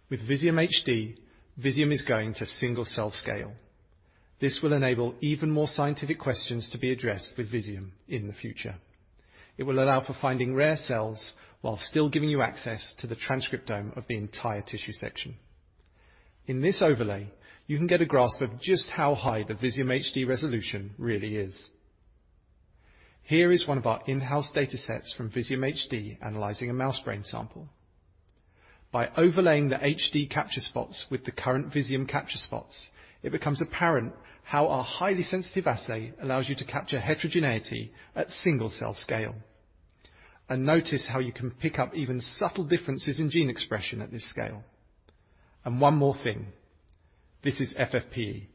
With Visium HD, Visium is going to single-cell scale. This will enable even more scientific questions to be addressed with Visium in the future. It will allow for finding rare cells while still giving you access to the transcriptome of the entire tissue section. In this overlay, you can get a grasp of just how high the Visium HD resolution really is. Here is one of our in-house data sets from Visium HD analyzing a mouse brain sample. By overlaying the HD capture spots with the current Visium capture spots, it becomes apparent how our highly sensitive assay allows you to capture heterogeneity at single-cell scale. Notice how you can pick up even subtle differences in gene expression at this scale. One more thing, this is FFPE.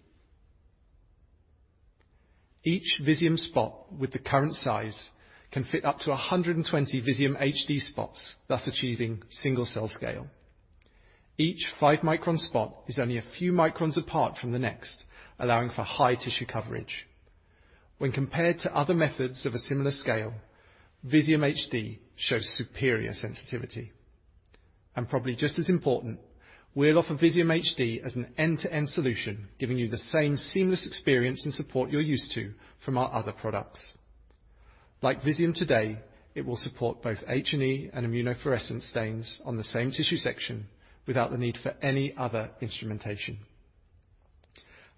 Each Visium spot with the current size can fit up to 120 Visium HD spots, thus achieving single-cell scale. Each 5-micron spot is only a few microns apart from the next, allowing for high tissue coverage. When compared to other methods of a similar scale, Visium HD shows superior sensitivity. Probably just as important, we'll offer Visium HD as an end-to-end solution, giving you the same seamless experience and support you're used to from our other products. Like Visium today, it will support both H&E and immunofluorescence stains on the same tissue section without the need for any other instrumentation.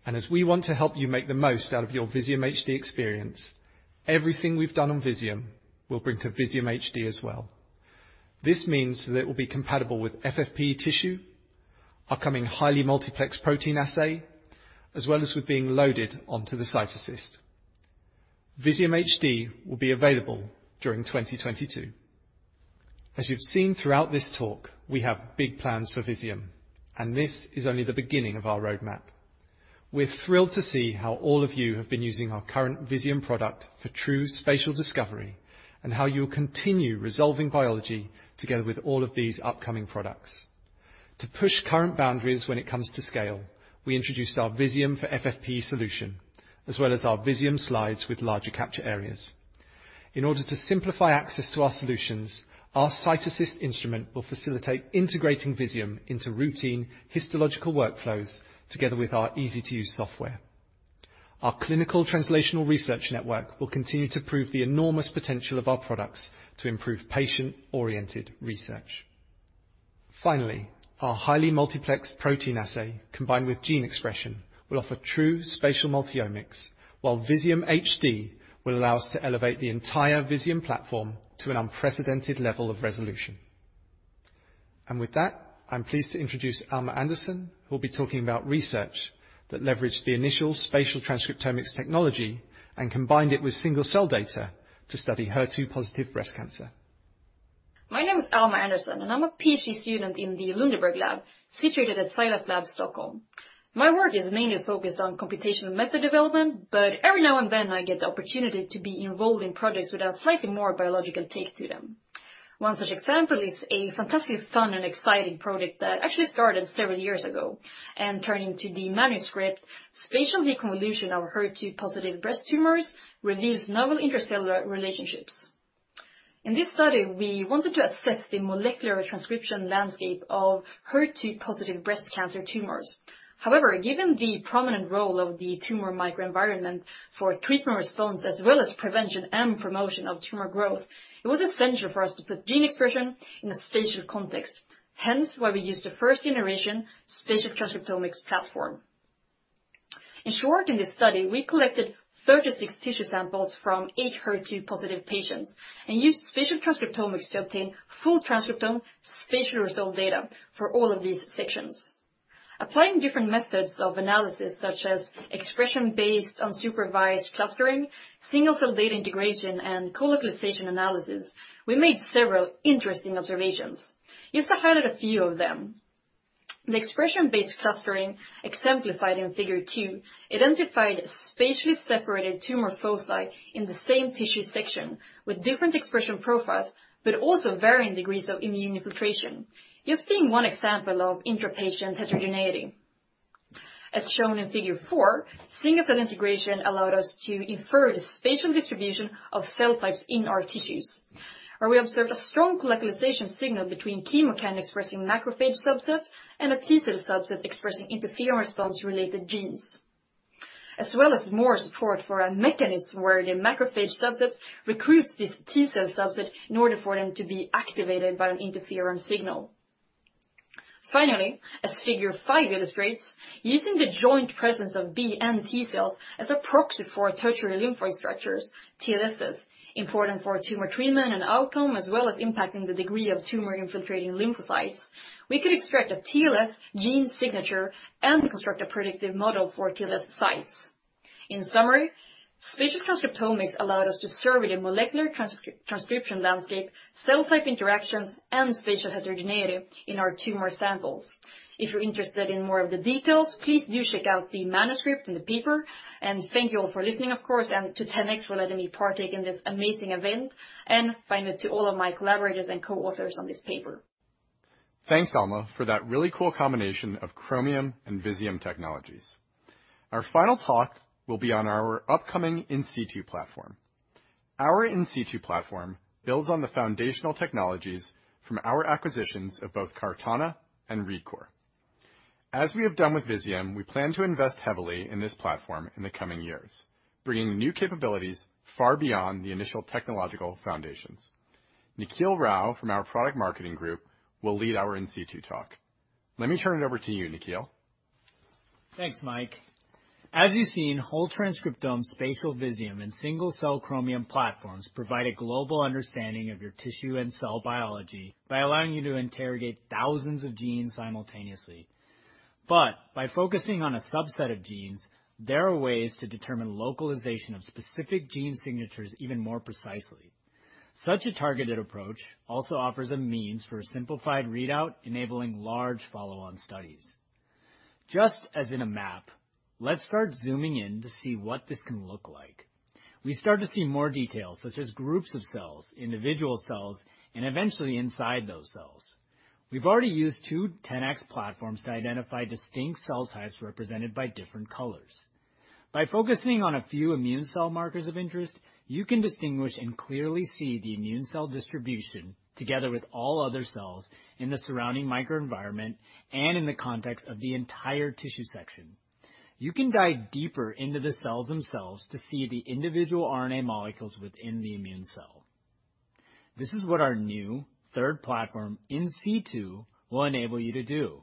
As we want to help you make the most out of your Visium HD experience, everything we've done on Visium, we'll bring to Visium HD as well. This means that it will be compatible with FFPE tissue, our coming highly multiplexed protein assay, as well as with being loaded onto the CytAssist. Visium HD will be available during 2022. As you've seen throughout this talk, we have big plans for Visium, and this is only the beginning of our roadmap. We're thrilled to see how all of you have been using our current Visium product for true spatial discovery and how you'll continue resolving biology together with all of these upcoming products. To push current boundaries when it comes to scale, we introduced our Visium for FFPE solution, as well as our Visium slides with larger capture areas. In order to simplify access to our solutions, our CytAssist instrument will facilitate integrating Visium into routine histological workflows, together with our easy-to-use software. Our clinical translational research network will continue to prove the enormous potential of our products to improve patient-oriented research. Finally, our highly multiplexed protein assay, combined with gene expression, will offer true spatial multiomics, while Visium HD will allow us to elevate the entire Visium platform to an unprecedented level of resolution. With that, I'm pleased to introduce Alma Andersson, who will be talking about research that leveraged the initial spatial transcriptomics technology and combined it with single-cell data to study HER2 positive breast cancer. My name is Alma Andersson, and I'm a PhD student in the Lundeberg Lab, situated at SciLifeLab, Stockholm. My work is mainly focused on computational method development, but every now and then I get the opportunity to be enrolled in projects with a slightly more biological take to them. One such example is a fantastically fun and exciting project that actually started several years ago and turned into the manuscript, "Spatial Deconvolution of HER2-Positive Breast Tumors Reveals Novel Intracellular Relationships." In this study, we wanted to assess the molecular transcription landscape of HER2 positive breast cancer tumors. However, given the prominent role of the tumor microenvironment for treatment response as well as prevention and promotion of tumor growth, it was essential for us to put gene expression in a spatial context, hence why we used the first-generation spatial transcriptomics platform. In short, in this study, we collected 36 tissue samples from each HER2-positive patients and used spatial transcriptomics to obtain full transcriptome spatial resolve data for all of these sections. Applying different methods of analysis such as expression-based unsupervised clustering, single-cell data integration, and colocalization analysis, we made several interesting observations. Just to highlight a few of them. The expression-based clustering, exemplified in Figure 2, identified spatially separated tumor foci in the same tissue section with different expression profiles, but also varying degrees of immune infiltration. Just seeing one example of intra-patient heterogeneity. As shown in Figure 4, single-cell integration allowed us to infer the spatial distribution of cell types in our tissues, where we observed a strong colocalization signal between chemokine-expressing macrophage subsets and a T-cell subset expressing interferon response-related genes. As well as more support for a mechanism where the macrophage subset recruits this T-cell subset in order for them to be activated by an interferon signal. Finally, as Figure 5 illustrates, using the joint presence of B and T-cells as a proxy for Tertiary Lymphoid Structures, TLSs, important for tumor treatment and outcome, as well as impacting the degree of tumor-infiltrating lymphocytes, we could extract a TLS gene signature and construct a predictive model for TLS sites. In summary, spatial transcriptomics allowed us to survey the molecular transcription landscape, cell type interactions, and spatial heterogeneity in our tumor samples. If you're interested in more of the details, please do check out the manuscript and the paper. Thank you all for listening, of course, and to 10x for letting me partake in this amazing event. Finally, to all of my collaborators and co-authors on this paper. Thanks, Alma, for that really cool combination of Chromium and Visium technologies. Our final talk will be on our upcoming in situ platform. Our in situ platform builds on the foundational technologies from our acquisitions of both CARTANA and ReadCoor. As we have done with Visium, we plan to invest heavily in this platform in the coming years, bringing new capabilities far beyond the initial technological foundations. Nikhil Rao from our product marketing group will lead our in situ talk. Let me turn it over to you, Nikhil. Thanks, Mike. As you've seen, whole transcriptome spatial Visium and single-cell Chromium platforms provide a global understanding of your tissue and cell biology by allowing you to interrogate thousands of genes simultaneously. By focusing on a subset of genes, there are ways to determine localization of specific gene signatures even more precisely. Such a targeted approach also offers a means for a simplified readout, enabling large follow-on studies. Just as in a map, let's start zooming in to see what this can look like. We start to see more details, such as groups of cells, individual cells, and eventually inside those cells. We've already used two 10x platforms to identify distinct cell types represented by different colors. By focusing on a few immune cell markers of interest, you can distinguish and clearly see the immune cell distribution, together with all other cells in the surrounding microenvironment and in the context of the entire tissue section. You can dive deeper into the cells themselves to see the individual RNA molecules within the immune cell. This is what our new third platform, In Situ, will enable you to do.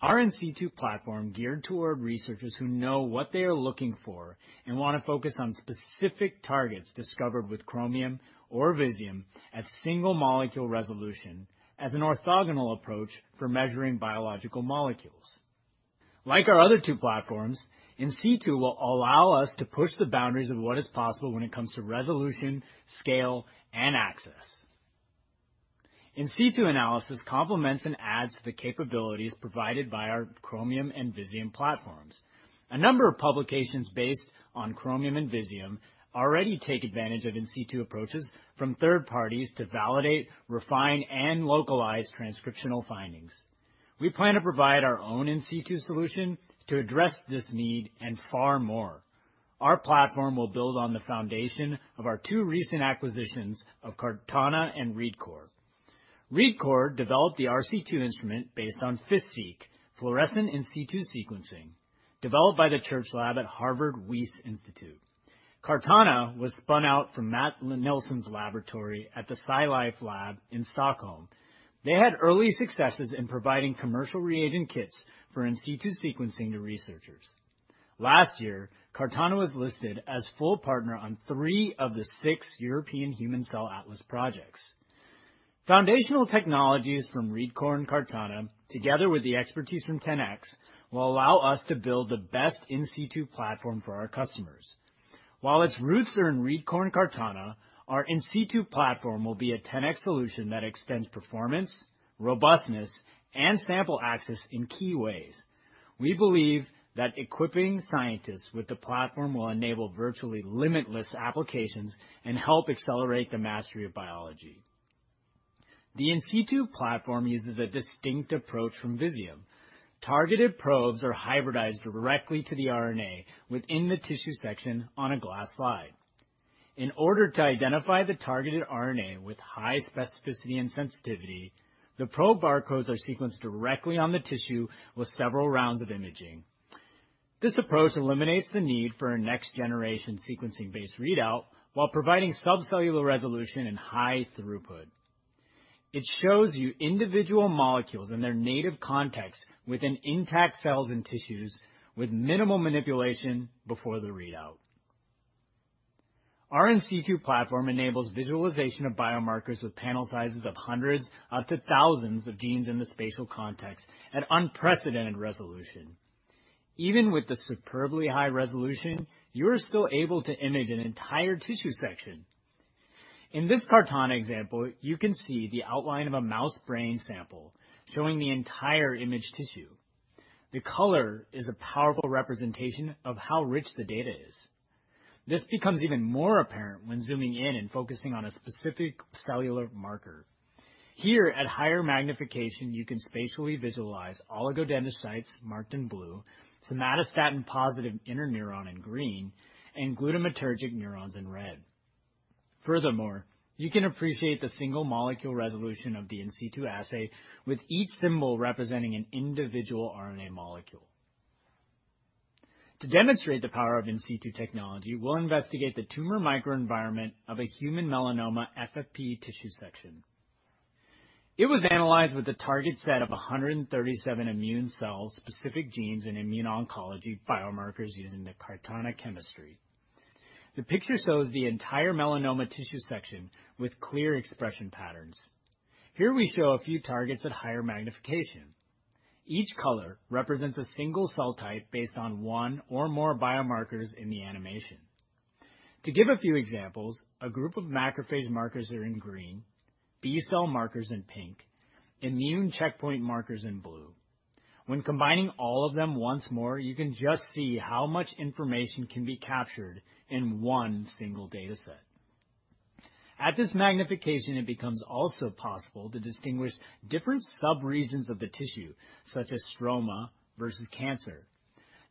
Our In Situ platform, geared toward researchers who know what they are looking for and want to focus on specific targets discovered with Chromium or Visium at single-molecule resolution as an orthogonal approach for measuring biological molecules. Like our other two platforms, In Situ will allow us to push the boundaries of what is possible when it comes to resolution, scale, and access. In Situ analysis complements and adds to the capabilities provided by our Chromium and Visium platforms. A number of publications based on Chromium and Visium already take advantage of in situ approaches from third parties to validate, refine, and localize transcriptional findings. We plan to provide our own in situ solution to address this need and far more. Our platform will build on the foundation of our two recent acquisitions of CARTANA and ReadCoor. ReadCoor developed the RC2 instrument based on FISSEQ, fluorescent in situ sequencing, developed by the Church Lab at Harvard Wyss Institute. CARTANA was spun out from Mats Nilsson's laboratory at the SciLifeLab in Stockholm. They had early successes in providing commercial reagent kits for in situ sequencing to researchers. Last year, CARTANA was listed as full partner on three of the six European Human Cell Atlas projects. Foundational technologies from ReadCoor and CARTANA, together with the expertise from 10x, will allow us to build the best In Situ platform for our customers. While its roots are in ReadCoor and CARTANA, our In Situ platform will be a 10x solution that extends performance, robustness, and sample access in key ways. We believe that equipping scientists with the platform will enable virtually limitless applications and help accelerate the mastery of biology. The In Situ platform uses a distinct approach from Visium. Targeted probes are hybridized directly to the RNA within the tissue section on a glass slide. In order to identify the targeted RNA with high specificity and sensitivity, the probe barcodes are sequenced directly on the tissue with several rounds of imaging. This approach eliminates the need for a next-generation sequencing-based readout while providing subcellular resolution and high throughput. It shows you individual molecules in their native context within intact cells and tissues with minimal manipulation before the readout. Our In Situ platform enables visualization of biomarkers with panel sizes of hundreds up to thousands of genes in the spatial context at unprecedented resolution. Even with the superbly high resolution, you're still able to image an entire tissue section. In this CARTANA example, you can see the outline of a mouse brain sample showing the entire image tissue. The color is a powerful representation of how rich the data is. This becomes even more apparent when zooming in and focusing on a specific cellular marker. Here, at higher magnification, you can spatially visualize oligodendrocytes marked in blue, somatostatin-positive interneuron in green, and glutamatergic neurons in red. Furthermore, you can appreciate the single-molecule resolution of the In Situ assay, with each symbol representing an individual RNA molecule. To demonstrate the power of in situ technology, we'll investigate the tumor microenvironment of a human melanoma FFPE tissue section. It was analyzed with a target set of 137 immune cell-specific genes and immune oncology biomarkers using the CARTANA chemistry. The picture shows the entire melanoma tissue section with clear expression patterns. Here we show a few targets at higher magnification. Each color represents a single cell type based on one or more biomarkers in the animation. To give a few examples, a group of macrophage markers are in green, B-cell markers in pink, immune checkpoint markers in blue. When combining all of them once more, you can just see how much information can be captured in one single data set. At this magnification, it becomes also possible to distinguish different sub-regions of the tissue, such as stroma versus cancer,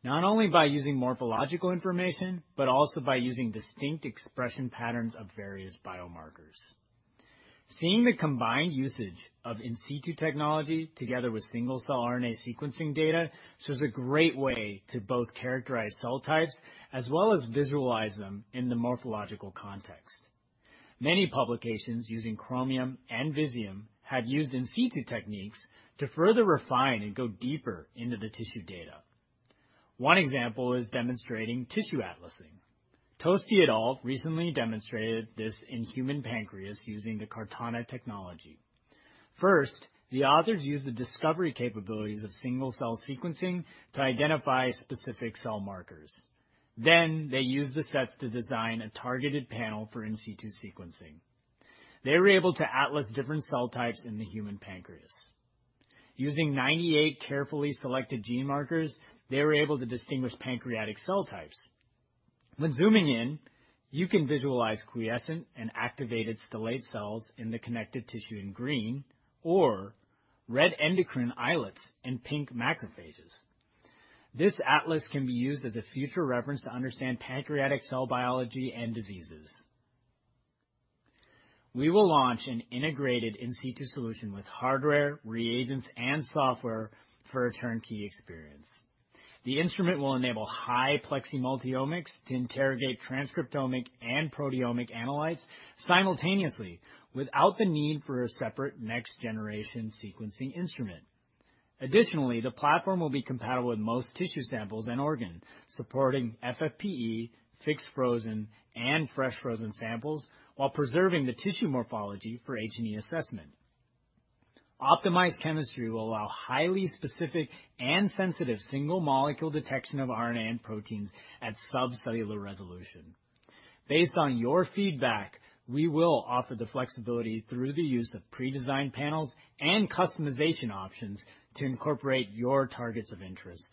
not only by using morphological information, but also by using distinct expression patterns of various biomarkers. Seeing the combined usage of in situ technology together with single-cell RNA sequencing data shows a great way to both characterize cell types as well as visualize them in the morphological context. Many publications using Chromium and Visium have used in situ techniques to further refine and go deeper into the tissue data. One example is demonstrating tissue atlasing. Tosti et al. recently demonstrated this in human pancreas using the CARTANA technology. First, the authors used the discovery capabilities of single-cell sequencing to identify specific cell markers. Then they used the sets to design a targeted panel for in situ sequencing. They were able to atlas different cell types in the human pancreas. Using 98 carefully selected gene markers, they were able to distinguish pancreatic cell types. When zooming in, you can visualize quiescent and activated stellate cells in the connective tissue in green or red endocrine islets and pink macrophages. This atlas can be used as a future reference to understand pancreatic cell biology and diseases. We will launch an integrated in situ solution with hardware, reagents, and software for a turnkey experience. The instrument will enable high-plex multiomics to interrogate transcriptomic and proteomic analytes simultaneously without the need for a separate next-generation sequencing instrument. Additionally, the platform will be compatible with most tissue samples and organs, supporting FFPE, fixed frozen, and fresh frozen samples while preserving the tissue morphology for H&E assessment. Optimized chemistry will allow highly specific and sensitive single-molecule detection of RNA and proteins at subcellular resolution. Based on your feedback, we will offer the flexibility through the use of pre-designed panels and customization options to incorporate your targets of interest.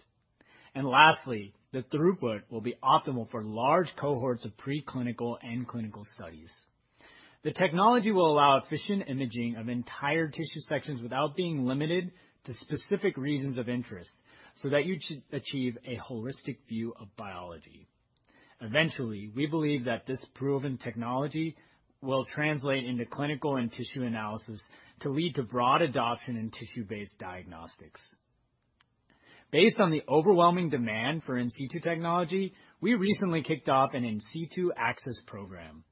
Lastly, the throughput will be optimal for large cohorts of preclinical and clinical studies. The technology will allow efficient imaging of entire tissue sections without being limited to specific regions of interest so that you achieve a holistic view of biology. Eventually, we believe that this proven technology will translate into clinical and tissue analysis to lead to broad adoption in tissue-based diagnostics. Based on the overwhelming demand for in situ technology, we recently kicked off an in situ access program.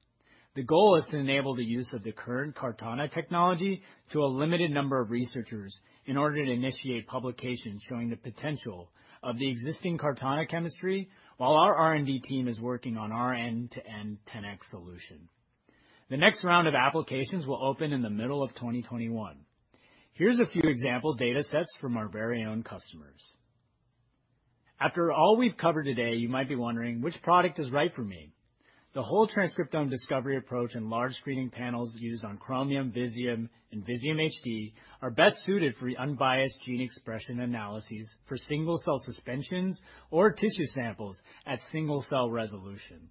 The goal is to enable the use of the current CARTANA technology to a limited number of researchers in order to initiate publications showing the potential of the existing CARTANA chemistry while our R&D team is working on our end-to-end 10x solution. The next round of applications will open in the middle of 2021. Here's a few example data sets from our very own customers. After all we've covered today, you might be wondering which product is right for me. The whole transcriptome discovery approach and large screening panels used on Chromium, Visium, and Visium HD are best suited for unbiased gene expression analyses for single-cell suspensions or tissue samples at single-cell resolution.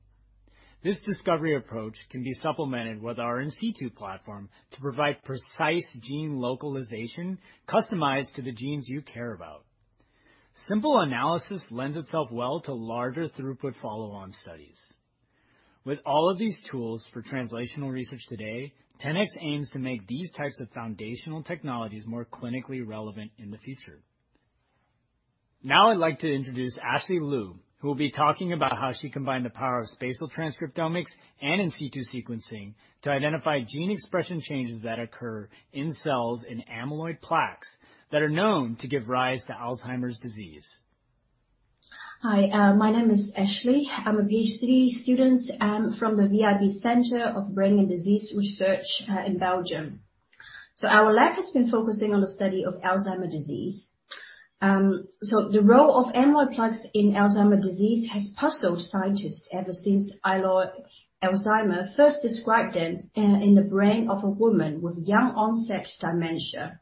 This discovery approach can be supplemented with our In Situ platform to provide precise gene localization customized to the genes you care about. Simple analysis lends itself well to larger throughput follow-on studies. With all of these tools for translational research today, 10x aims to make these types of foundational technologies more clinically relevant in the future. Now I'd like to introduce Ashley Lu, who will be talking about how she combined the power of spatial transcriptomics and in situ sequencing to identify gene expression changes that occur in cells in amyloid plaques that are known to give rise to Alzheimer's disease. Hi. My name is Ashley. I'm a PhD student, from the VIB Center for Brain & Disease Research in Belgium. Our lab has been focusing on the study of Alzheimer disease. The role of amyloid plaques in Alzheimer disease has puzzled scientists ever since Alois Alzheimer first described them in the brain of a woman with young onset dementia.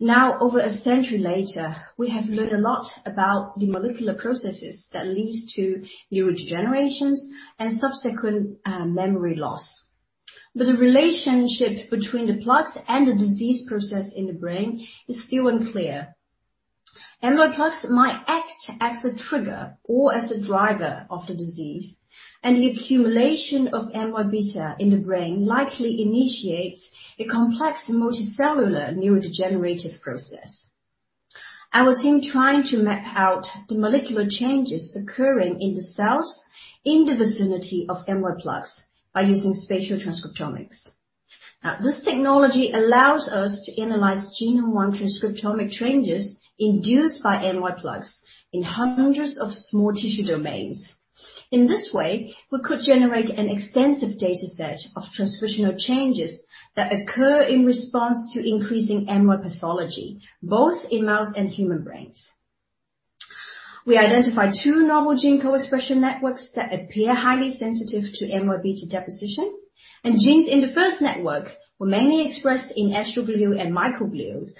Now, over a century later, we have learned a lot about the molecular processes that leads to neurodegenerations and subsequent memory loss. The relationship between the plaques and the disease process in the brain is still unclear. Amyloid plaques might act as a trigger or as a driver of the disease, and the accumulation of amyloid beta in the brain likely initiates a complex multicellular neurodegenerative process. Our team trying to map out the molecular changes occurring in the cells in the vicinity of amyloid plaques by using spatial transcriptomics. This technology allows us to analyze genome-wide transcriptomic changes induced by amyloid plaques in hundreds of small tissue domains. In this way, we could generate an extensive data set of transcriptional changes that occur in response to increasing amyloid pathology, both in mouse and human brains. We identified two novel gene co-expression networks that appear highly sensitive to amyloid beta deposition. Genes in the first network were mainly expressed in astrocytes and microglias,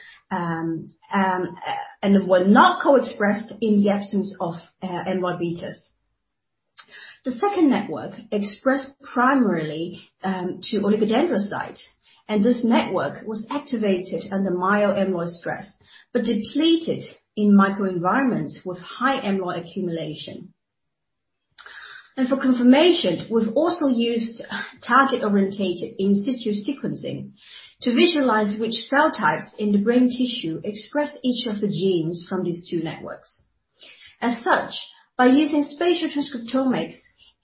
and were not co-expressed in the absence of amyloid beta. The second network expressed primarily to oligodendrocytes, and this network was activated under mild amyloid stress, but depleted in microenvironments with high amyloid accumulation. For confirmation, we've also used target-orientated In Situ sequencing to visualize which cell types in the brain tissue express each of the genes from these two networks. As such, by using Spatial Transcriptomics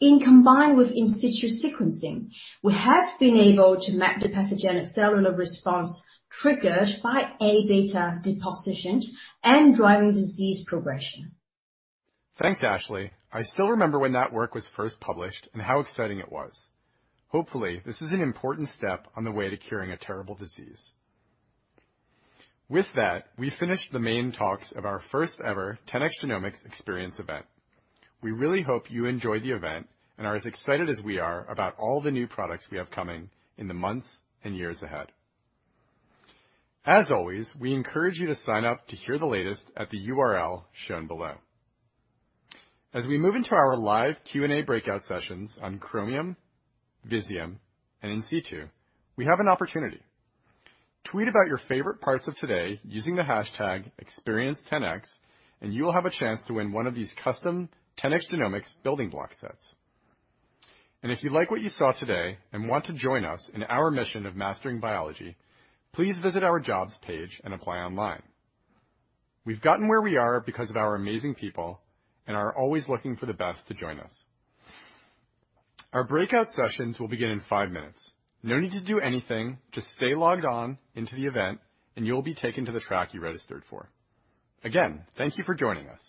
in combined with In Situ sequencing, we have been able to map the pathogenic cellular response triggered by A-beta depositions and driving disease progression. Thanks, Ashley. I still remember when that work was first published and how exciting it was. Hopefully, this is an important step on the way to curing a terrible disease. With that, we finish the main talks of our first ever 10x Genomics Xperience event. We really hope you enjoyed the event and are as excited as we are about all the new products we have coming in the months and years ahead. As always, we encourage you to sign up to hear the latest at the URL shown below. As we move into our live Q&A breakout sessions on Chromium, Visium, and In Situ, we have an opportunity. Tweet about your favorite parts of today using the hashtag Xperience10x, and you will have a chance to win one of these custom 10x Genomics building block sets. If you like what you saw today and want to join us in our mission of mastering biology, please visit our jobs page and apply online. We've gotten where we are because of our amazing people and are always looking for the best to join us. Our breakout sessions will begin in five minutes. No need to do anything, just stay logged on into the event, and you'll be taken to the track you registered for. Again, thank you for joining us.